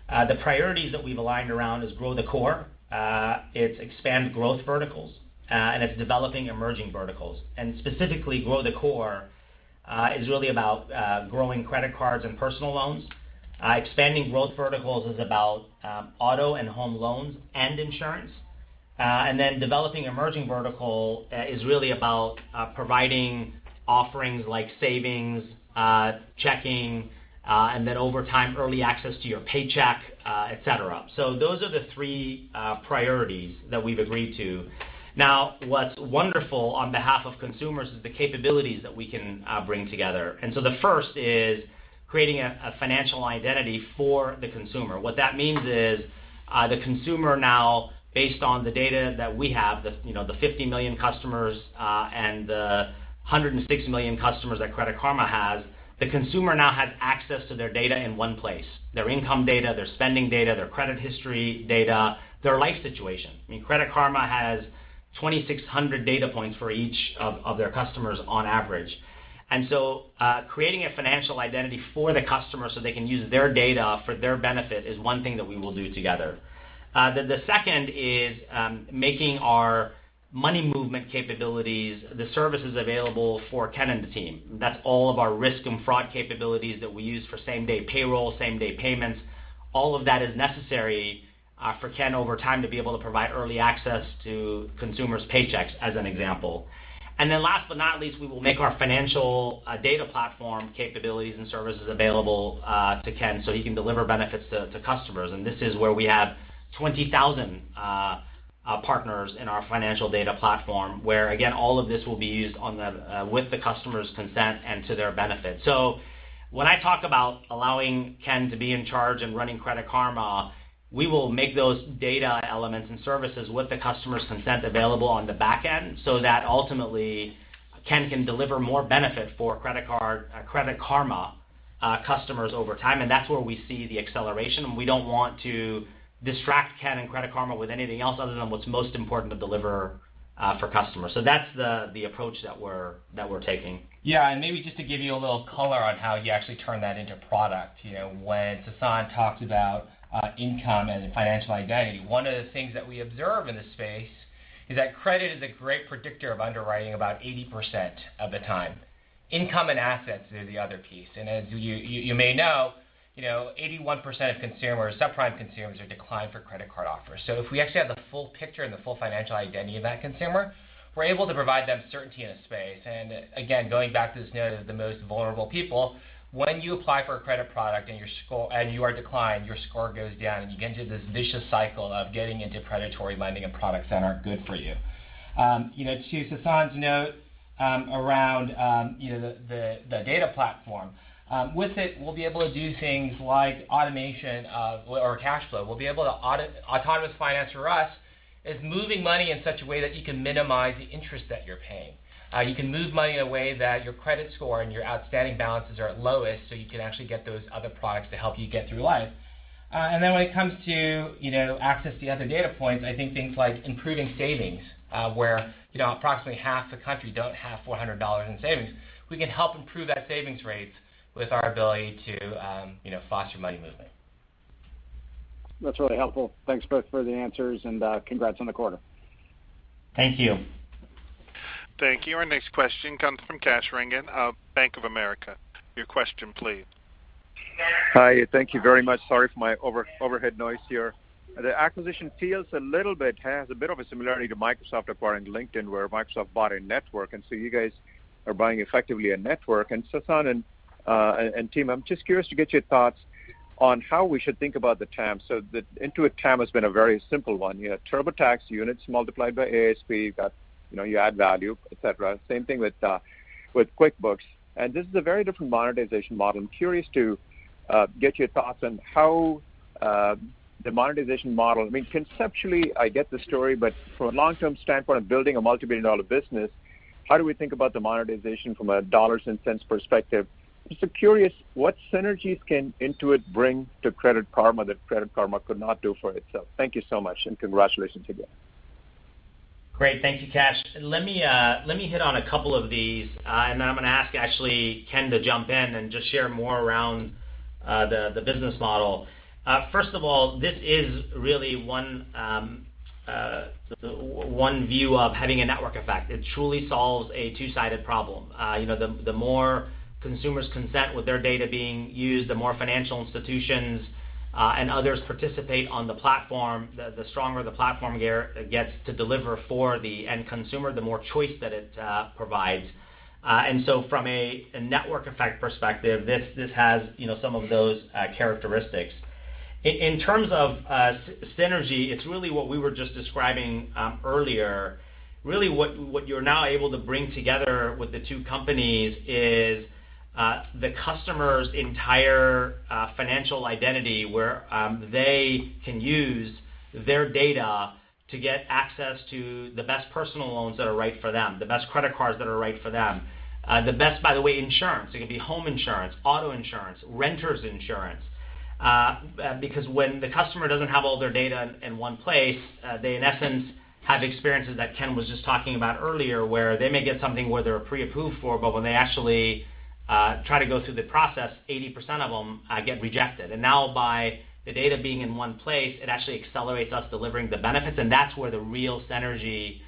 The priorities that we've aligned around is grow the core, it's expand growth verticals, and it's developing emerging verticals. Specifically grow the core is really about growing credit cards and personal loans. Expanding growth verticals is about auto and home loans and insurance. Developing emerging vertical is really about providing offerings like savings, checking, and then over time, early access to your paycheck, et cetera. Those are the three priorities that we've agreed to. Now, what's wonderful on behalf of consumers is the capabilities that we can bring together. The first is creating a financial identity for the consumer. What that means is the consumer now, based on the data that we have, the 50 million customers, and the 160 million customers that Credit Karma has, the consumer now has access to their data in one place. Their income data, their spending data, their credit history data, their life situation. Credit Karma has 2,600 data points for each of their customers on average. Creating a financial identity for the customer so they can use their data for their benefit is one thing that we will do together. The second is making our money movement capabilities, the services available for Ken and the team. That's all of our risk and fraud capabilities that we use for same-day payroll, same-day payments. All of that is necessary for Ken over time to be able to provide early access to consumers' paychecks as an example. Last but not least, we will make our financial data platform capabilities and services available to Ken so he can deliver benefits to customers. This is where we have 20,000 partners in our financial data platform, where again, all of this will be used with the customer's consent and to their benefit. When I talk about allowing Ken to be in charge and running Credit Karma, we will make those data elements and services with the customer's consent available on the back end so that ultimately Ken can deliver more benefit for Credit Karma customers over time, and that's where we see the acceleration. We don't want to distract Ken and Credit Karma with anything else other than what's most important to deliver for customers. That's the approach that we're taking. Yeah, maybe just to give you a little color on how you actually turn that into product. When Sasan talked about income and financial identity, one of the things that we observe in this space is that credit is a great predictor of underwriting about 80% of the time. Income and assets are the other piece. As you may know, 81% of subprime consumers are declined for credit card offers. If we actually have the full picture and the full financial identity of that consumer, we're able to provide them certainty in a space. Again, going back to this note of the most vulnerable people, when you apply for a credit product and you are declined, your score goes down, and you get into this vicious cycle of getting into predatory lending and products that aren't good for you. To Sasan's note around the data platform. With it, we'll be able to do things like automation of cash flow. Autonomous finance for us is moving money in such a way that you can minimize the interest that you're paying. You can move money in a way that your credit score and your outstanding balances are at lowest, so you can actually get those other products to help you get through life. When it comes to access to the other data points, I think things like improving savings, where approximately half the country don't have $400 in savings. We can help improve that savings rate with our ability to foster money movement. That's really helpful. Thanks both for the answers, and congrats on the quarter. Thank you. Thank you. Our next question comes from Kash Rangan of Bank of America. Your question, please. Hi. Thank you very much. Sorry for my overhead noise here. The acquisition feels a little bit, has a bit of a similarity to Microsoft acquiring LinkedIn, where Microsoft bought a network, you guys are buying effectively a network. Sasan and team, I'm just curious to get your thoughts on how we should think about the TAM. The Intuit TAM has been a very simple one. You had TurboTax units multiplied by ASP. You've got your add value, et cetera. Same thing with QuickBooks. This is a very different monetization model. I'm curious to get your thoughts on how the monetization model, conceptually, I get the story, but from a long-term standpoint of building a multi-billion-dollar business, how do we think about the monetization from a dollars and cents perspective? Just curious, what synergies can Intuit bring to Credit Karma that Credit Karma could not do for itself? Thank you so much, and congratulations again. Great. Thank you, Kash. Let me hit on a couple of these, then I'm going to ask actually Ken to jump in and just share more around the business model. First of all, this is really one view of having a network effect. It truly solves a two-sided problem. The more consumers consent with their data being used, the more financial institutions and others participate on the platform, the stronger the platform gets to deliver for the end consumer, the more choice that it provides. From a network effect perspective, this has some of those characteristics. In terms of synergy, it's really what we were just describing earlier. Really what you're now able to bring together with the two companies is the customer's entire financial identity, where they can use their data to get access to the best personal loans that are right for them, the best credit cards that are right for them, the best, by the way, insurance. It can be home insurance, auto insurance, renter's insurance. When the customer doesn't have all their data in one place, they in essence have experiences that Ken was just talking about earlier, where they may get something where they're pre-approved for, but when they actually try to go through the process, 80% of them get rejected. Now by the data being in one place, it actually accelerates us delivering the benefits, and that's where the real synergy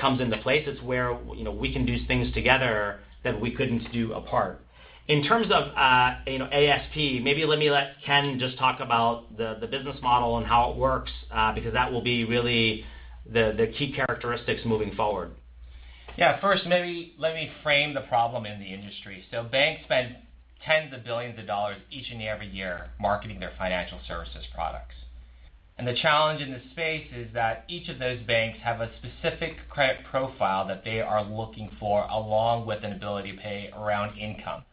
comes into place. It's where we can do things together that we couldn't do apart. In terms of ASP, maybe let me let Ken just talk about the business model and how it works, because that will be really the key characteristics moving forward. Yeah. First, maybe let me frame the problem in the industry. Banks spend tens of billions of dollars each and every year marketing their financial services products. The challenge in this space is that each of those banks have a specific credit profile that they are looking for, along with an ability to pay around income.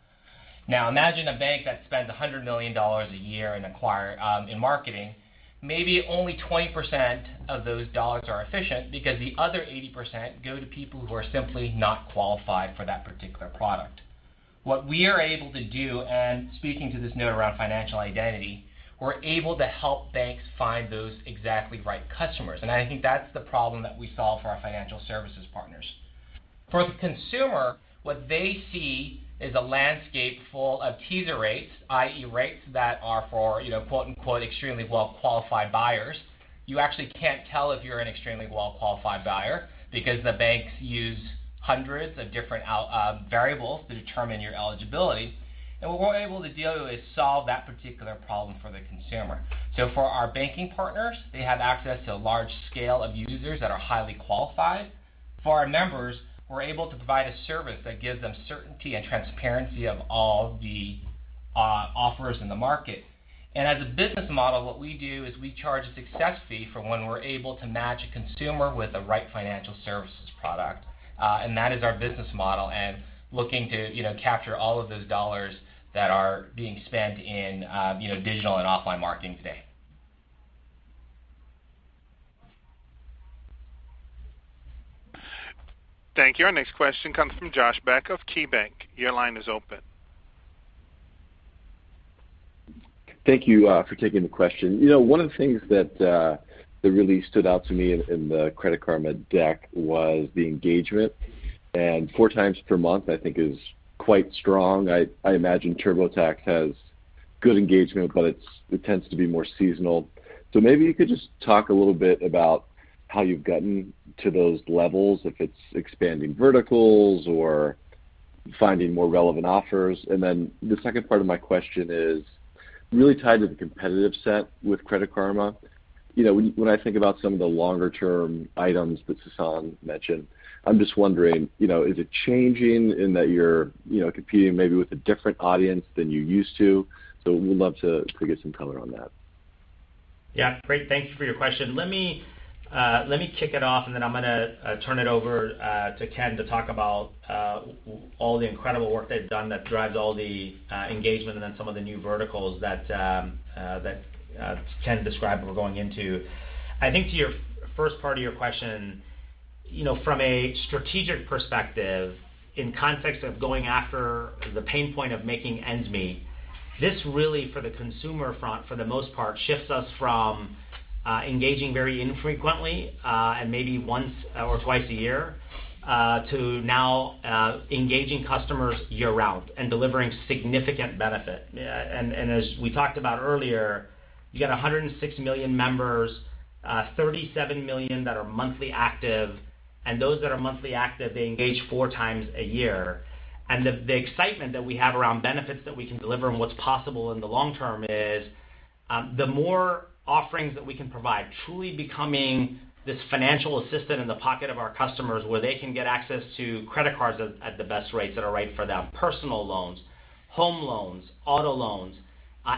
Now, imagine a bank that spends $100 million a year in marketing. Maybe only 20% of those dollars are efficient because the other 80% go to people who are simply not qualified for that particular product. What we are able to do, and speaking to this note around financial identity, we're able to help banks find those exactly right customers, and I think that's the problem that we solve for our financial services partners. For the consumer, what they see is a landscape full of teaser rates, i.e., rates that are for "extremely well-qualified buyers." You actually can't tell if you're an extremely well-qualified buyer because the banks use hundreds of different variables to determine your eligibility. What we're able to do is solve that particular problem for the consumer. For our banking partners, they have access to a large scale of users that are highly qualified. For our members, we're able to provide a service that gives them certainty and transparency of all the offers in the market. As a business model, what we do is we charge a success fee for when we're able to match a consumer with the right financial services product. That is our business model, and looking to capture all of those dollars that are being spent in digital and offline marketing today. Thank you. Our next question comes from Josh Beck of KeyBanc. Your line is open. Thank you for taking the question. One of the things that really stood out to me in the Credit Karma deck was the engagement, four times per month, I think, is quite strong. I imagine TurboTax has good engagement, it tends to be more seasonal. Maybe you could just talk a little bit about how you've gotten to those levels, if it's expanding verticals or finding more relevant offers. The second part of my question is really tied to the competitive set with Credit Karma. When I think about some of the longer-term items that Sasan mentioned, I'm just wondering, is it changing in that you're competing maybe with a different audience than you used to? We'd love to get some color on that. Yeah. Great. Thank you for your question. Let me kick it off, and then I'm going to turn it over to Ken to talk about all the incredible work they've done that drives all the engagement and then some of the new verticals that Ken described we're going into. I think to your first part of your question, from a strategic perspective, in context of going after the pain point of making ends meet, this really for the consumer front, for the most part, shifts us from engaging very infrequently and maybe once or twice a year to now engaging customers year-round and delivering significant benefit. As we talked about earlier. You got 106 million members, 37 million that are monthly active, and those that are monthly active, they engage four times a year. The excitement that we have around benefits that we can deliver and what's possible in the long term is, the more offerings that we can provide, truly becoming this financial assistant in the pocket of our customers where they can get access to credit cards at the best rates that are right for them, personal loans, home loans, auto loans,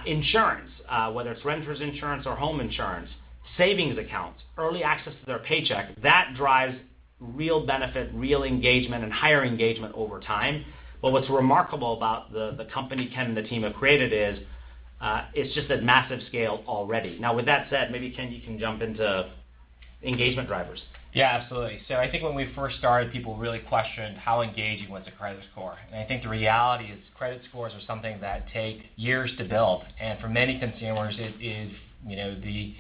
insurance, whether it's renters insurance or home insurance, savings accounts, early access to their paycheck, that drives real benefit, real engagement, and higher engagement over time. What's remarkable about the company Ken and the team have created is it's just at massive scale already. Now, with that said, maybe Ken, you can jump into engagement drivers. Yeah, absolutely. I think when we first started, people really questioned how engaging was a credit score. I think the reality is credit scores are something that take years to build. For many consumers, it is the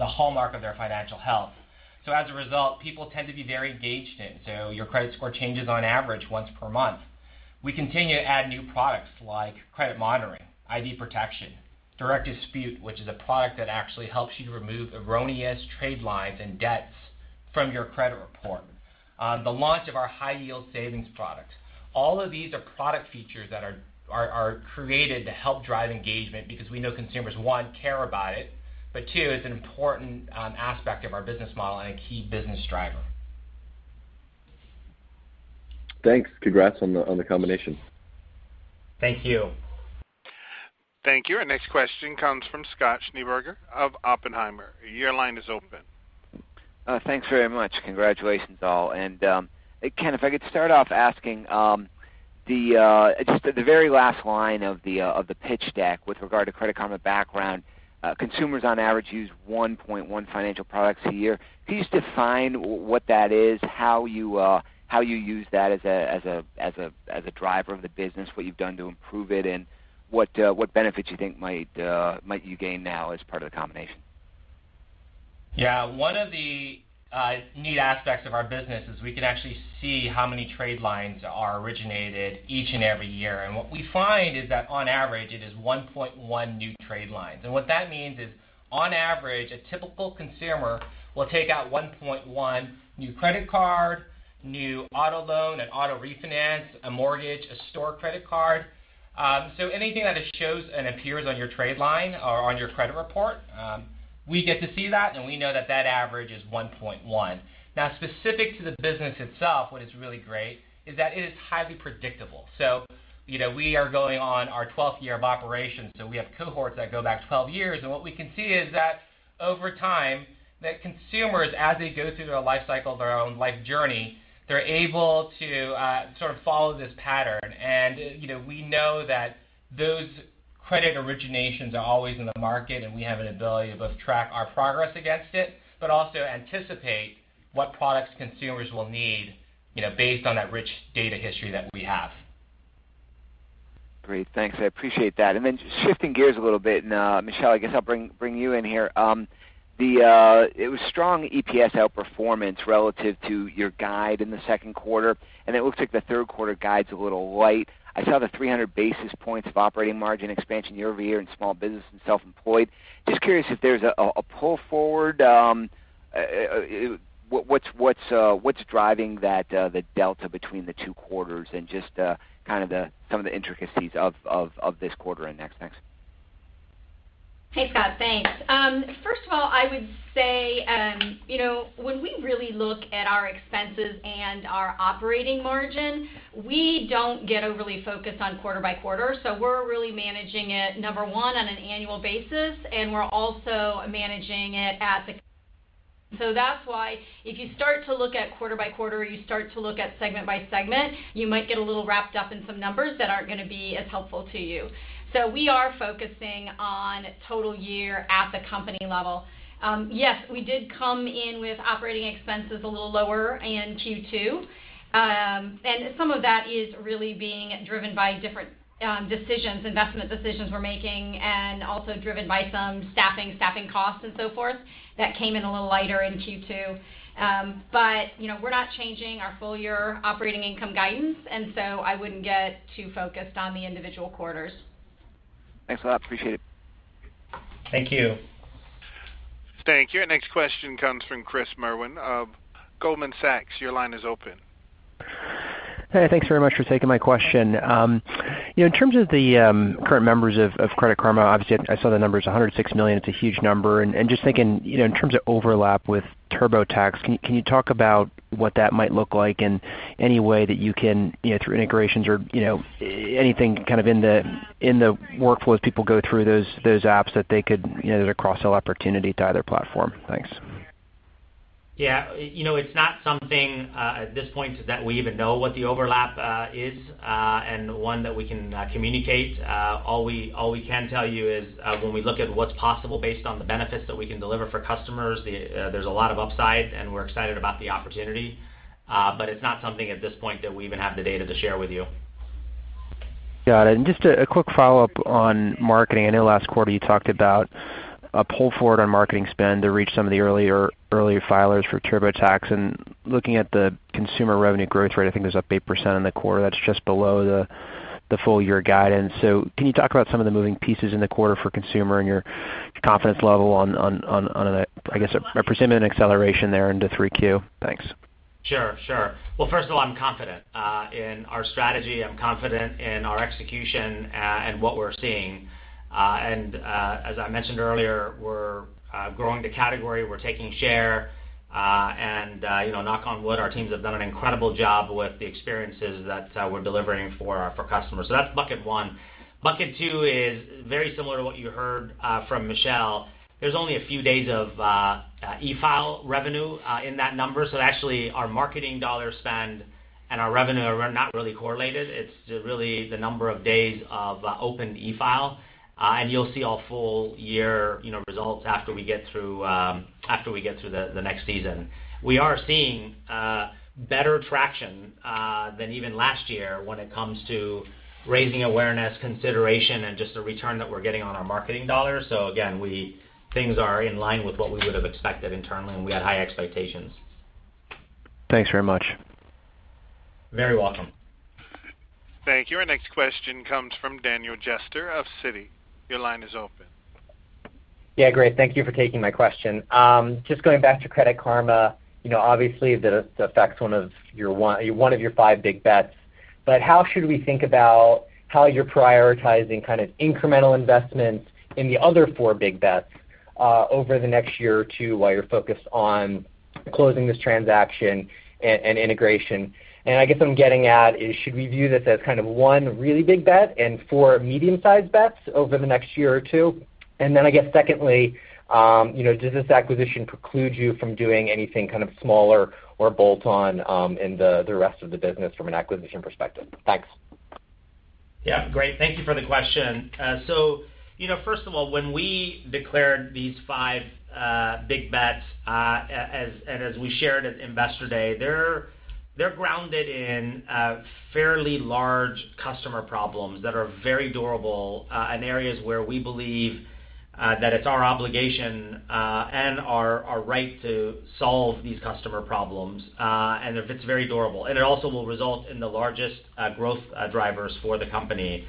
hallmark of their financial health. As a result, people tend to be very engaged in. Your credit score changes on average once per month. We continue to add new products like credit monitoring, ID protection, direct dispute, which is a product that actually helps you to remove erroneous trade lines and debts from your credit report. The launch of our high-yield savings product. All of these are product features that are created to help drive engagement because we know consumers, one, care about it, but two, it's an important aspect of our business model and a key business driver. Thanks. Congrats on the combination. Thank you. Thank you. Our next question comes from Scott Schneeberger of Oppenheimer. Your line is open. Thanks very much. Congratulations, all. Ken, if I could start off asking, just at the very last line of the pitch deck with regard to Credit Karma background, consumers on average use 1.1 financial products a year. Can you just define what that is, how you use that as a driver of the business, what you've done to improve it, and what benefits you think might you gain now as part of the combination? Yeah. One of the neat aspects of our business is we can actually see how many trade lines are originated each and every year. What we find is that on average, it is 1.1 new trade lines. What that means is, on average, a typical consumer will take out 1.1 new credit card, new auto loan, an auto refinance, a mortgage, a store credit card. Anything that shows and appears on your trade line or on your credit report, we get to see that, and we know that average is 1.1. Specific to the business itself, what is really great is that it is highly predictable. We are going on our 12th year of operations, so we have cohorts that go back 12 years, and what we can see is that over time, that consumers, as they go through their life cycle, their own life journey, they're able to sort of follow this pattern. We know that those credit originations are always in the market, and we have an ability to both track our progress against it, but also anticipate what products consumers will need based on that rich data history that we have. Great. Thanks. I appreciate that. Then shifting gears a little bit, Michelle, I guess I'll bring you in here. It was strong EPS outperformance relative to your guide in the second quarter, and it looks like the third quarter guide's a little light. I saw the 300 basis points of operating margin expansion year-over-year in small business and self-employed. Just curious if there's a pull forward. What's driving the delta between the two quarters and just kind of some of the intricacies of this quarter and next, thanks. Hey, Scott. Thanks. First of all, I would say when we really look at our expenses and our operating margin, we don't get overly focused on quarter by quarter. We're really managing it, number one, on an annual basis, and we're also managing it. That's why if you start to look at quarter by quarter or you start to look at segment by segment, you might get a little wrapped up in some numbers that aren't going to be as helpful to you. We are focusing on total year at the company level. Yes, we did come in with operating expenses a little lower in Q2. Some of that is really being driven by different decisions, investment decisions we're making and also driven by some staffing costs and so forth that came in a little lighter in Q2. We're not changing our full-year operating income guidance, and so I wouldn't get too focused on the individual quarters. Thanks a lot. Appreciate it. Thank you. Thank you. Our next question comes from Chris Merwin of Goldman Sachs. Your line is open. Hey. Thanks very much for taking my question. In terms of the current members of Credit Karma, obviously I saw the numbers, $106 million, it's a huge number, and just thinking, in terms of overlap with TurboTax, can you talk about what that might look like and any way that you can through integrations or anything kind of in the workflows people go through those apps that they could as a cross-sell opportunity to either platform. Thanks. Yeah. It's not something at this point that we even know what the overlap is, and one that we can communicate. All we can tell you is when we look at what's possible based on the benefits that we can deliver for customers, there's a lot of upside and we're excited about the opportunity. It's not something at this point that we even have the data to share with you. Got it. Just a quick follow-up on marketing. I know last quarter you talked about a pull forward on marketing spend to reach some of the earlier filers for TurboTax. Looking at the consumer revenue growth rate, I think it was up 8% in the quarter. That's just below the full year guidance. Can you talk about some of the moving pieces in the quarter for consumer and your confidence level on, I guess, a percentage acceleration there into three Q? Thanks. Sure. Well, first of all, I'm confident in our strategy. I'm confident in our execution and what we're seeing. As I mentioned earlier, we're growing the category, we're taking share, and knock on wood, our teams have done an incredible job with the experiences that we're delivering for our customers. That's bucket one. Bucket two is very similar to what you heard from Michelle. There's only a few days of e-file revenue in that number. Actually, our marketing dollar spend and our revenue are not really correlated. It's really the number of days of opened e-file. You'll see our full year results after we get through the next season. We are seeing better traction than even last year when it comes to raising awareness, consideration, and just the return that we're getting on our marketing dollars. Again, things are in line with what we would've expected internally, and we had high expectations. Thanks very much. Very welcome. Thank you. Our next question comes from Daniel Jester of Citi. Your line is open. Yeah, great. Thank you for taking my question. Just going back to Credit Karma. Obviously, this affects one of your five big bets. How should we think about how you're prioritizing incremental investments in the other four big bets over the next year or two while you're focused on closing this transaction and integration? I guess what I'm getting at is should we view this as one really big bet and four medium-sized bets over the next year or two? I guess secondly, does this acquisition preclude you from doing anything smaller or bolt on in the rest of the business from an acquisition perspective? Thanks. Yeah, great. Thank you for the question. First of all, when we declared these five big bets, and as we shared at Investor Day, they're grounded in fairly large customer problems that are very durable, in areas where we believe that it's our obligation and our right to solve these customer problems, and if it's very durable. It also will result in the largest growth drivers for the company.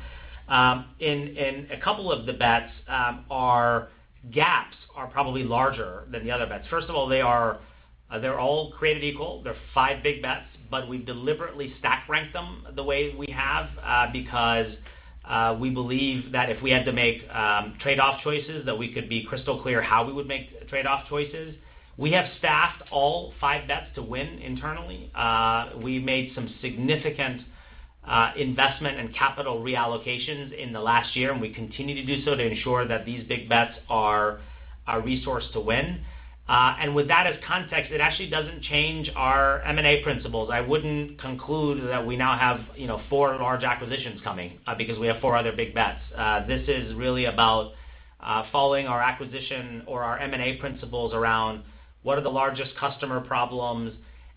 In a couple of the bets, our gaps are probably larger than the other bets. First of all, they're all created equal. They're five big bets, but we deliberately stack ranked them the way we have because we believe that if we had to make trade-off choices, that we could be crystal clear how we would make trade-off choices. We have staffed all five bets to win internally. We've made some significant investment and capital reallocations in the last year, and we continue to do so to ensure that these big bets are resourced to win. With that as context, it actually doesn't change our M&A principles. I wouldn't conclude that we now have four large acquisitions coming because we have four other big bets. This is really about following our acquisition or our M&A principles around what are the largest customer problems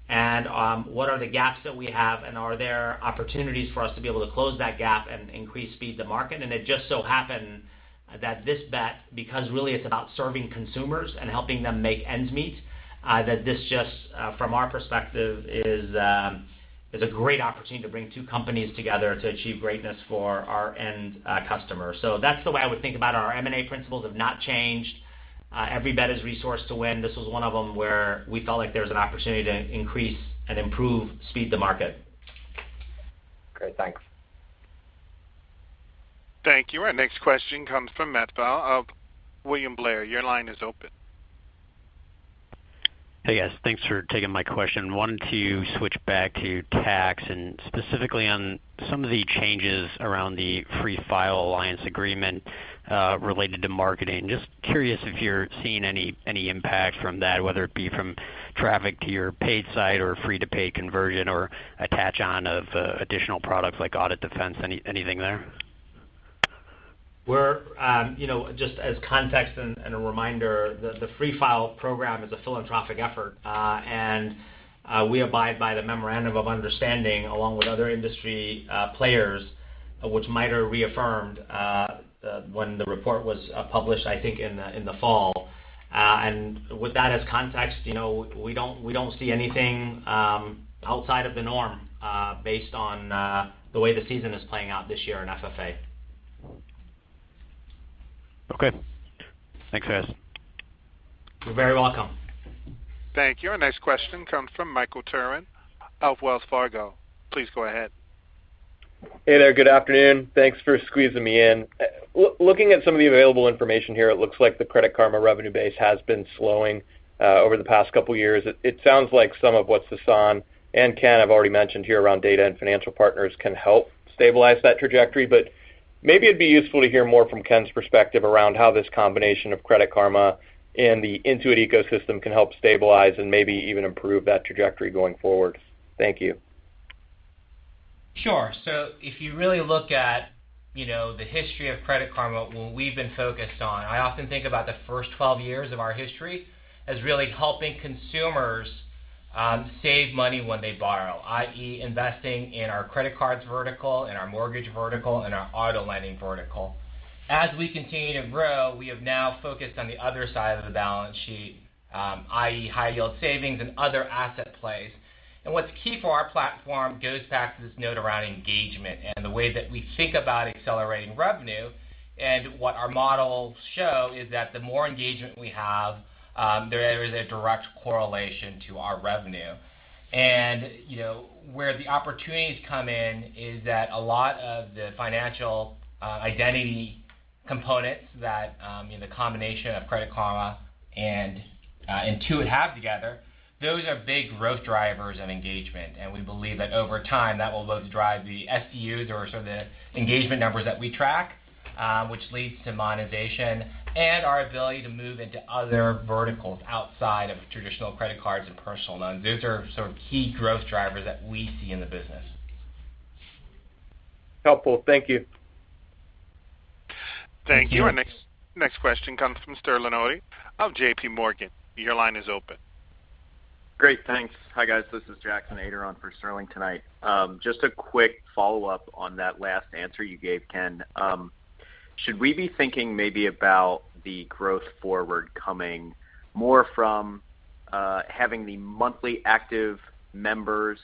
and what are the gaps that we have, and are there opportunities for us to be able to close that gap and increase speed to market. It just so happened that this bet, because really it's about serving consumers and helping them make ends meet, that this just, from our perspective, is a great opportunity to bring two companies together to achieve greatness for our end customer. That's the way I would think about our M&A principles have not changed. Every bet is resourced to win. This was one of them where we felt like there was an opportunity to increase and improve speed to market. Great. Thanks. Thank you. Our next question comes from Matt Pfau of William Blair. Your line is open. Hey, guys. Thanks for taking my question. Wanted to switch back to tax, specifically on some of the changes around the Free File Alliance agreement related to marketing. Just curious if you're seeing any impact from that, whether it be from traffic to your paid site or free to pay conversion or attach on of additional products like Audit Defense. Anything there? Just as context and a reminder, the Free File program is a philanthropic effort. We abide by the memorandum of understanding along with other industry players, which MITRE reaffirmed when the report was published, I think, in the fall. With that as context, we don't see anything outside of the norm based on the way the season is playing out this year in FFA. Okay. Thanks, guys. You're very welcome. Thank you. Our next question comes from Michael Turrin of Wells Fargo. Please go ahead. Hey there. Good afternoon. Thanks for squeezing me in. Looking at some of the available information here, it looks like the Credit Karma revenue base has been slowing over the past couple of years. It sounds like some of what Sasan and Ken have already mentioned here around data and financial partners can help stabilize that trajectory. Maybe it'd be useful to hear more from Ken's perspective around how this combination of Credit Karma and the Intuit ecosystem can help stabilize and maybe even improve that trajectory going forward. Thank you. Sure. If you really look at the history of Credit Karma, what we've been focused on, I often think about the first 12 years of our history as really helping consumers - save money when they borrow, i.e., investing in our credit cards vertical, in our mortgage vertical, and our auto lending vertical. As we continue to grow, we have now focused on the other side of the balance sheet, i.e., high-yield savings and other asset plays. What's key for our platform goes back to this note around engagement and the way that we think about accelerating revenue. What our models show is that the more engagement we have, there is a direct correlation to our revenue. Where the opportunities come in is that a lot of the financial identity components that the combination of Credit Karma and Intuit have together, those are big growth drivers of engagement. We believe that over time, that will both drive the SCUs or sort of the engagement numbers that we track which leads to monetization and our ability to move into other verticals outside of traditional credit cards and personal loans. Those are sort of key growth drivers that we see in the business. Helpful. Thank you. Thank you. Our next question comes from Sterling Auty of J.PMorgan. Your line is open. Great. Thanks. Hi, guys. This is Jackson Ader for Sterling tonight. Just a quick follow-up on that last answer you gave, Ken. Should we be thinking maybe about the growth forward coming more from having the monthly active members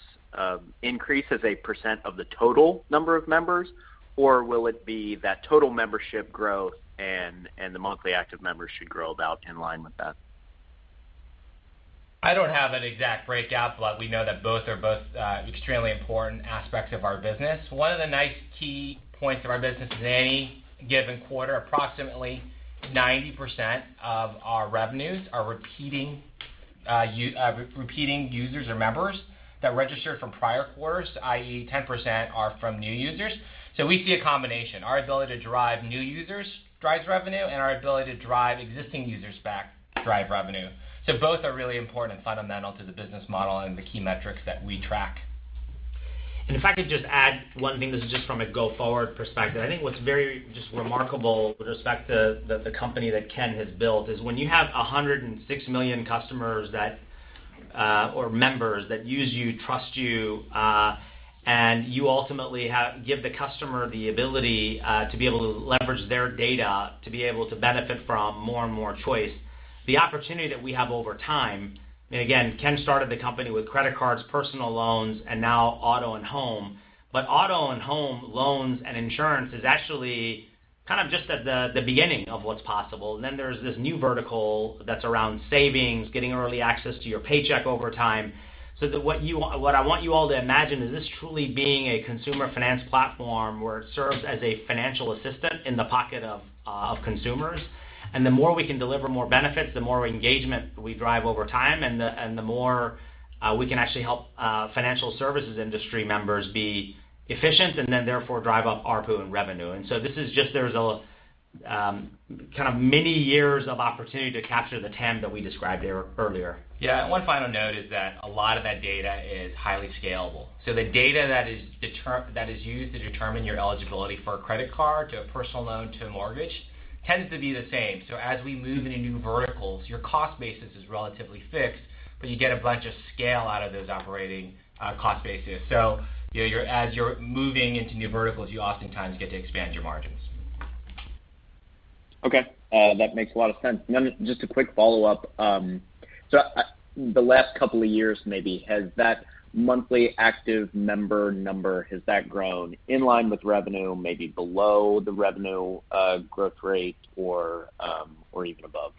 increase as a percent of the total number of members, or will it be that total membership growth and the monthly active members should grow about in line with that? I don't have an exact breakout, but we know that both are extremely important aspects of our business. One of the nice key points of our business is any given quarter, approximately 90% of our revenues are repeating users or members that registered from prior quarters, i.e., 10% are from new users. We see a combination. Our ability to drive new users drives revenue, and our ability to drive existing users back drive revenue. Both are really important, fundamental to the business model and the key metrics that we track. If I could just add one thing, this is just from a go-forward perspective. I think what's very just remarkable with respect to the company that Ken has built is when you have 106 million customers or members that use you, trust you, and you ultimately give the customer the ability to be able to leverage their data to be able to benefit from more and more choice, the opportunity that we have over time, and again, Ken started the company with credit cards, personal loans, and now auto and home, but auto and home loans and insurance is actually kind of just at the beginning of what's possible. Then there's this new vertical that's around savings, getting early access to your paycheck over time. What I want you all to imagine is this truly being a consumer finance platform where it serves as a financial assistant in the pocket of consumers, and the more we can deliver more benefits, the more engagement we drive over time and the more we can actually help financial services industry members be efficient and then therefore drive up ARPU and revenue. There's a kind of many years of opportunity to capture the TAM that we described earlier. Yeah. One final note is that a lot of that data is highly scalable. The data that is used to determine your eligibility for a credit card, to a personal loan, to a mortgage tends to be the same. As we move into new verticals, your cost basis is relatively fixed, but you get a bunch of scale out of those operating cost basis. As you're moving into new verticals, you oftentimes get to expand your margins. Okay. That makes a lot of sense. Then just a quick follow-up. The last couple of years maybe, has that monthly active member number, has that grown in line with revenue, maybe below the revenue growth rate, or even above?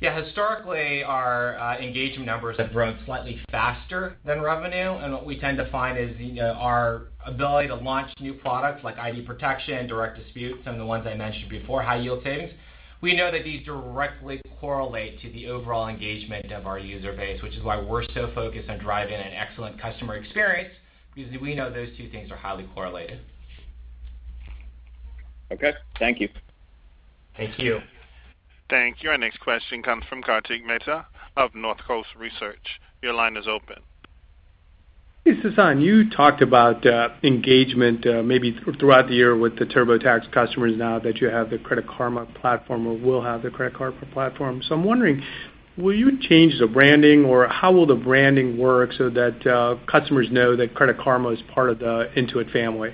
Yeah. Historically, our engagement numbers have grown slightly faster than revenue, and what we tend to find is our ability to launch new products like ID protection, direct dispute, some of the ones I mentioned before, high-yield savings. We know that these directly correlate to the overall engagement of our user base, which is why we're so focused on driving an excellent customer experience because we know those two things are highly correlated. Okay. Thank you. Thank you. Thank you. Our next question comes from Kartik Mehta of Northcoast Research. Your line is open. Hey, Sasan. You talked about engagement maybe throughout the year with the TurboTax customers now that you have the Credit Karma platform or will have the Credit Karma platform. I'm wondering, will you change the branding, or how will the branding work so that customers know that Credit Karma is part of the Intuit family?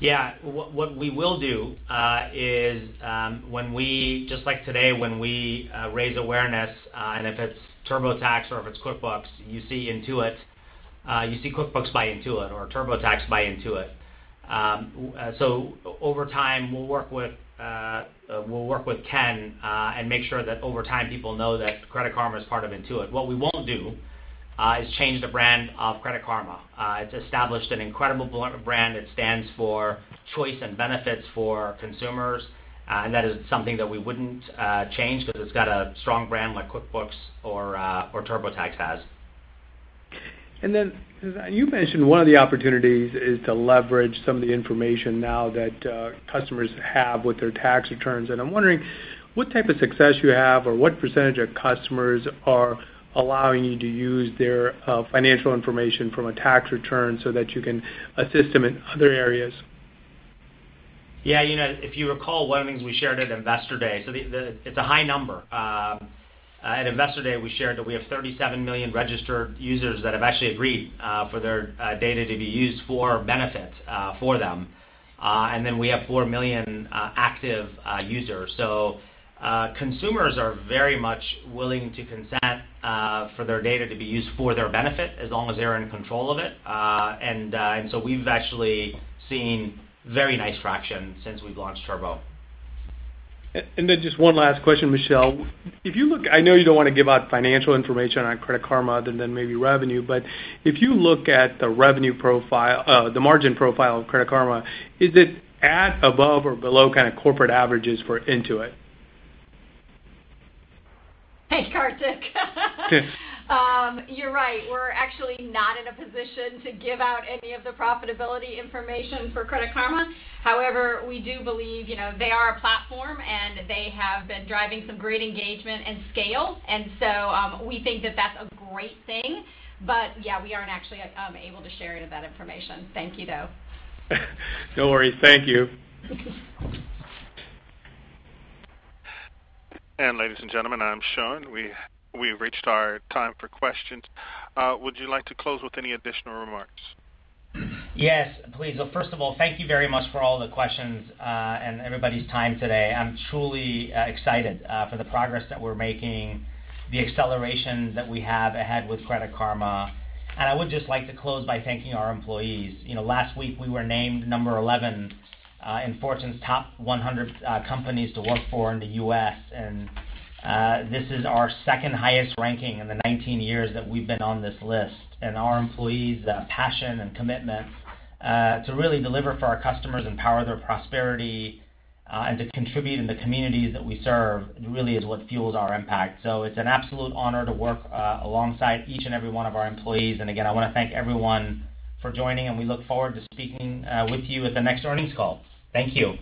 Yeah. What we will do is when we, just like today, when we raise awareness, and if it's TurboTax or if it's QuickBooks, you see Intuit, you see QuickBooks by Intuit or TurboTax by Intuit. Over time, we'll work with Ken, and make sure that over time, people know that Credit Karma is part of Intuit. What we won't do is change the brand of Credit Karma. It's established an incredible brand. It stands for choice and benefits for consumers. That is something that we wouldn't change because it's got a strong brand like QuickBooks or TurboTax has. Then, Sasan, you mentioned one of the opportunities is to leverage some of the information now that customers have with their tax returns, and I'm wondering what type of success you have or what percentage of customers are allowing you to use their financial information from a tax return so that you can assist them in other areas? Yeah. If you recall, one of the things we shared at Investor Day, so it's a high number. At Investor Day, we shared that we have 37 million registered users that have actually agreed for their data to be used for benefit for them. Then we have 4 million active users. Consumers are very much willing to consent for their data to be used for their benefit, as long as they're in control of it. We've actually seen very nice traction since we've launched Turbo. Just one last question, Michelle. I know you don't want to give out financial information on Credit Karma other than maybe revenue, but if you look at the margin profile of Credit Karma, is it at, above, or below corporate averages for Intuit? Hey, Kartik. You're right, we're actually not in a position to give out any of the profitability information for Credit Karma. We do believe they are a platform, and they have been driving some great engagement and scale. We think that that's a great thing. Yeah, we aren't actually able to share any of that information. Thank you, though. No worries. Thank you. Ladies and gentlemen, I'm Sasan. We've reached our time for questions. Would you like to close with any additional remarks? Yes, please. Look, first of all, thank you very much for all the questions, and everybody's time today. I'm truly excited for the progress that we're making, the acceleration that we have ahead with Credit Karma. I would just like to close by thanking our employees. Last week we were named number 11 in Fortune's top 100 companies to work for in the U.S., and this is our second highest ranking in the 19 years that we've been on this list. Our employees' passion and commitment to really deliver for our customers, empower their prosperity, and to contribute in the communities that we serve really is what fuels our impact. It's an absolute honor to work alongside each and every one of our employees. Again, I want to thank everyone for joining, and we look forward to speaking with you at the next earnings call. Thank you.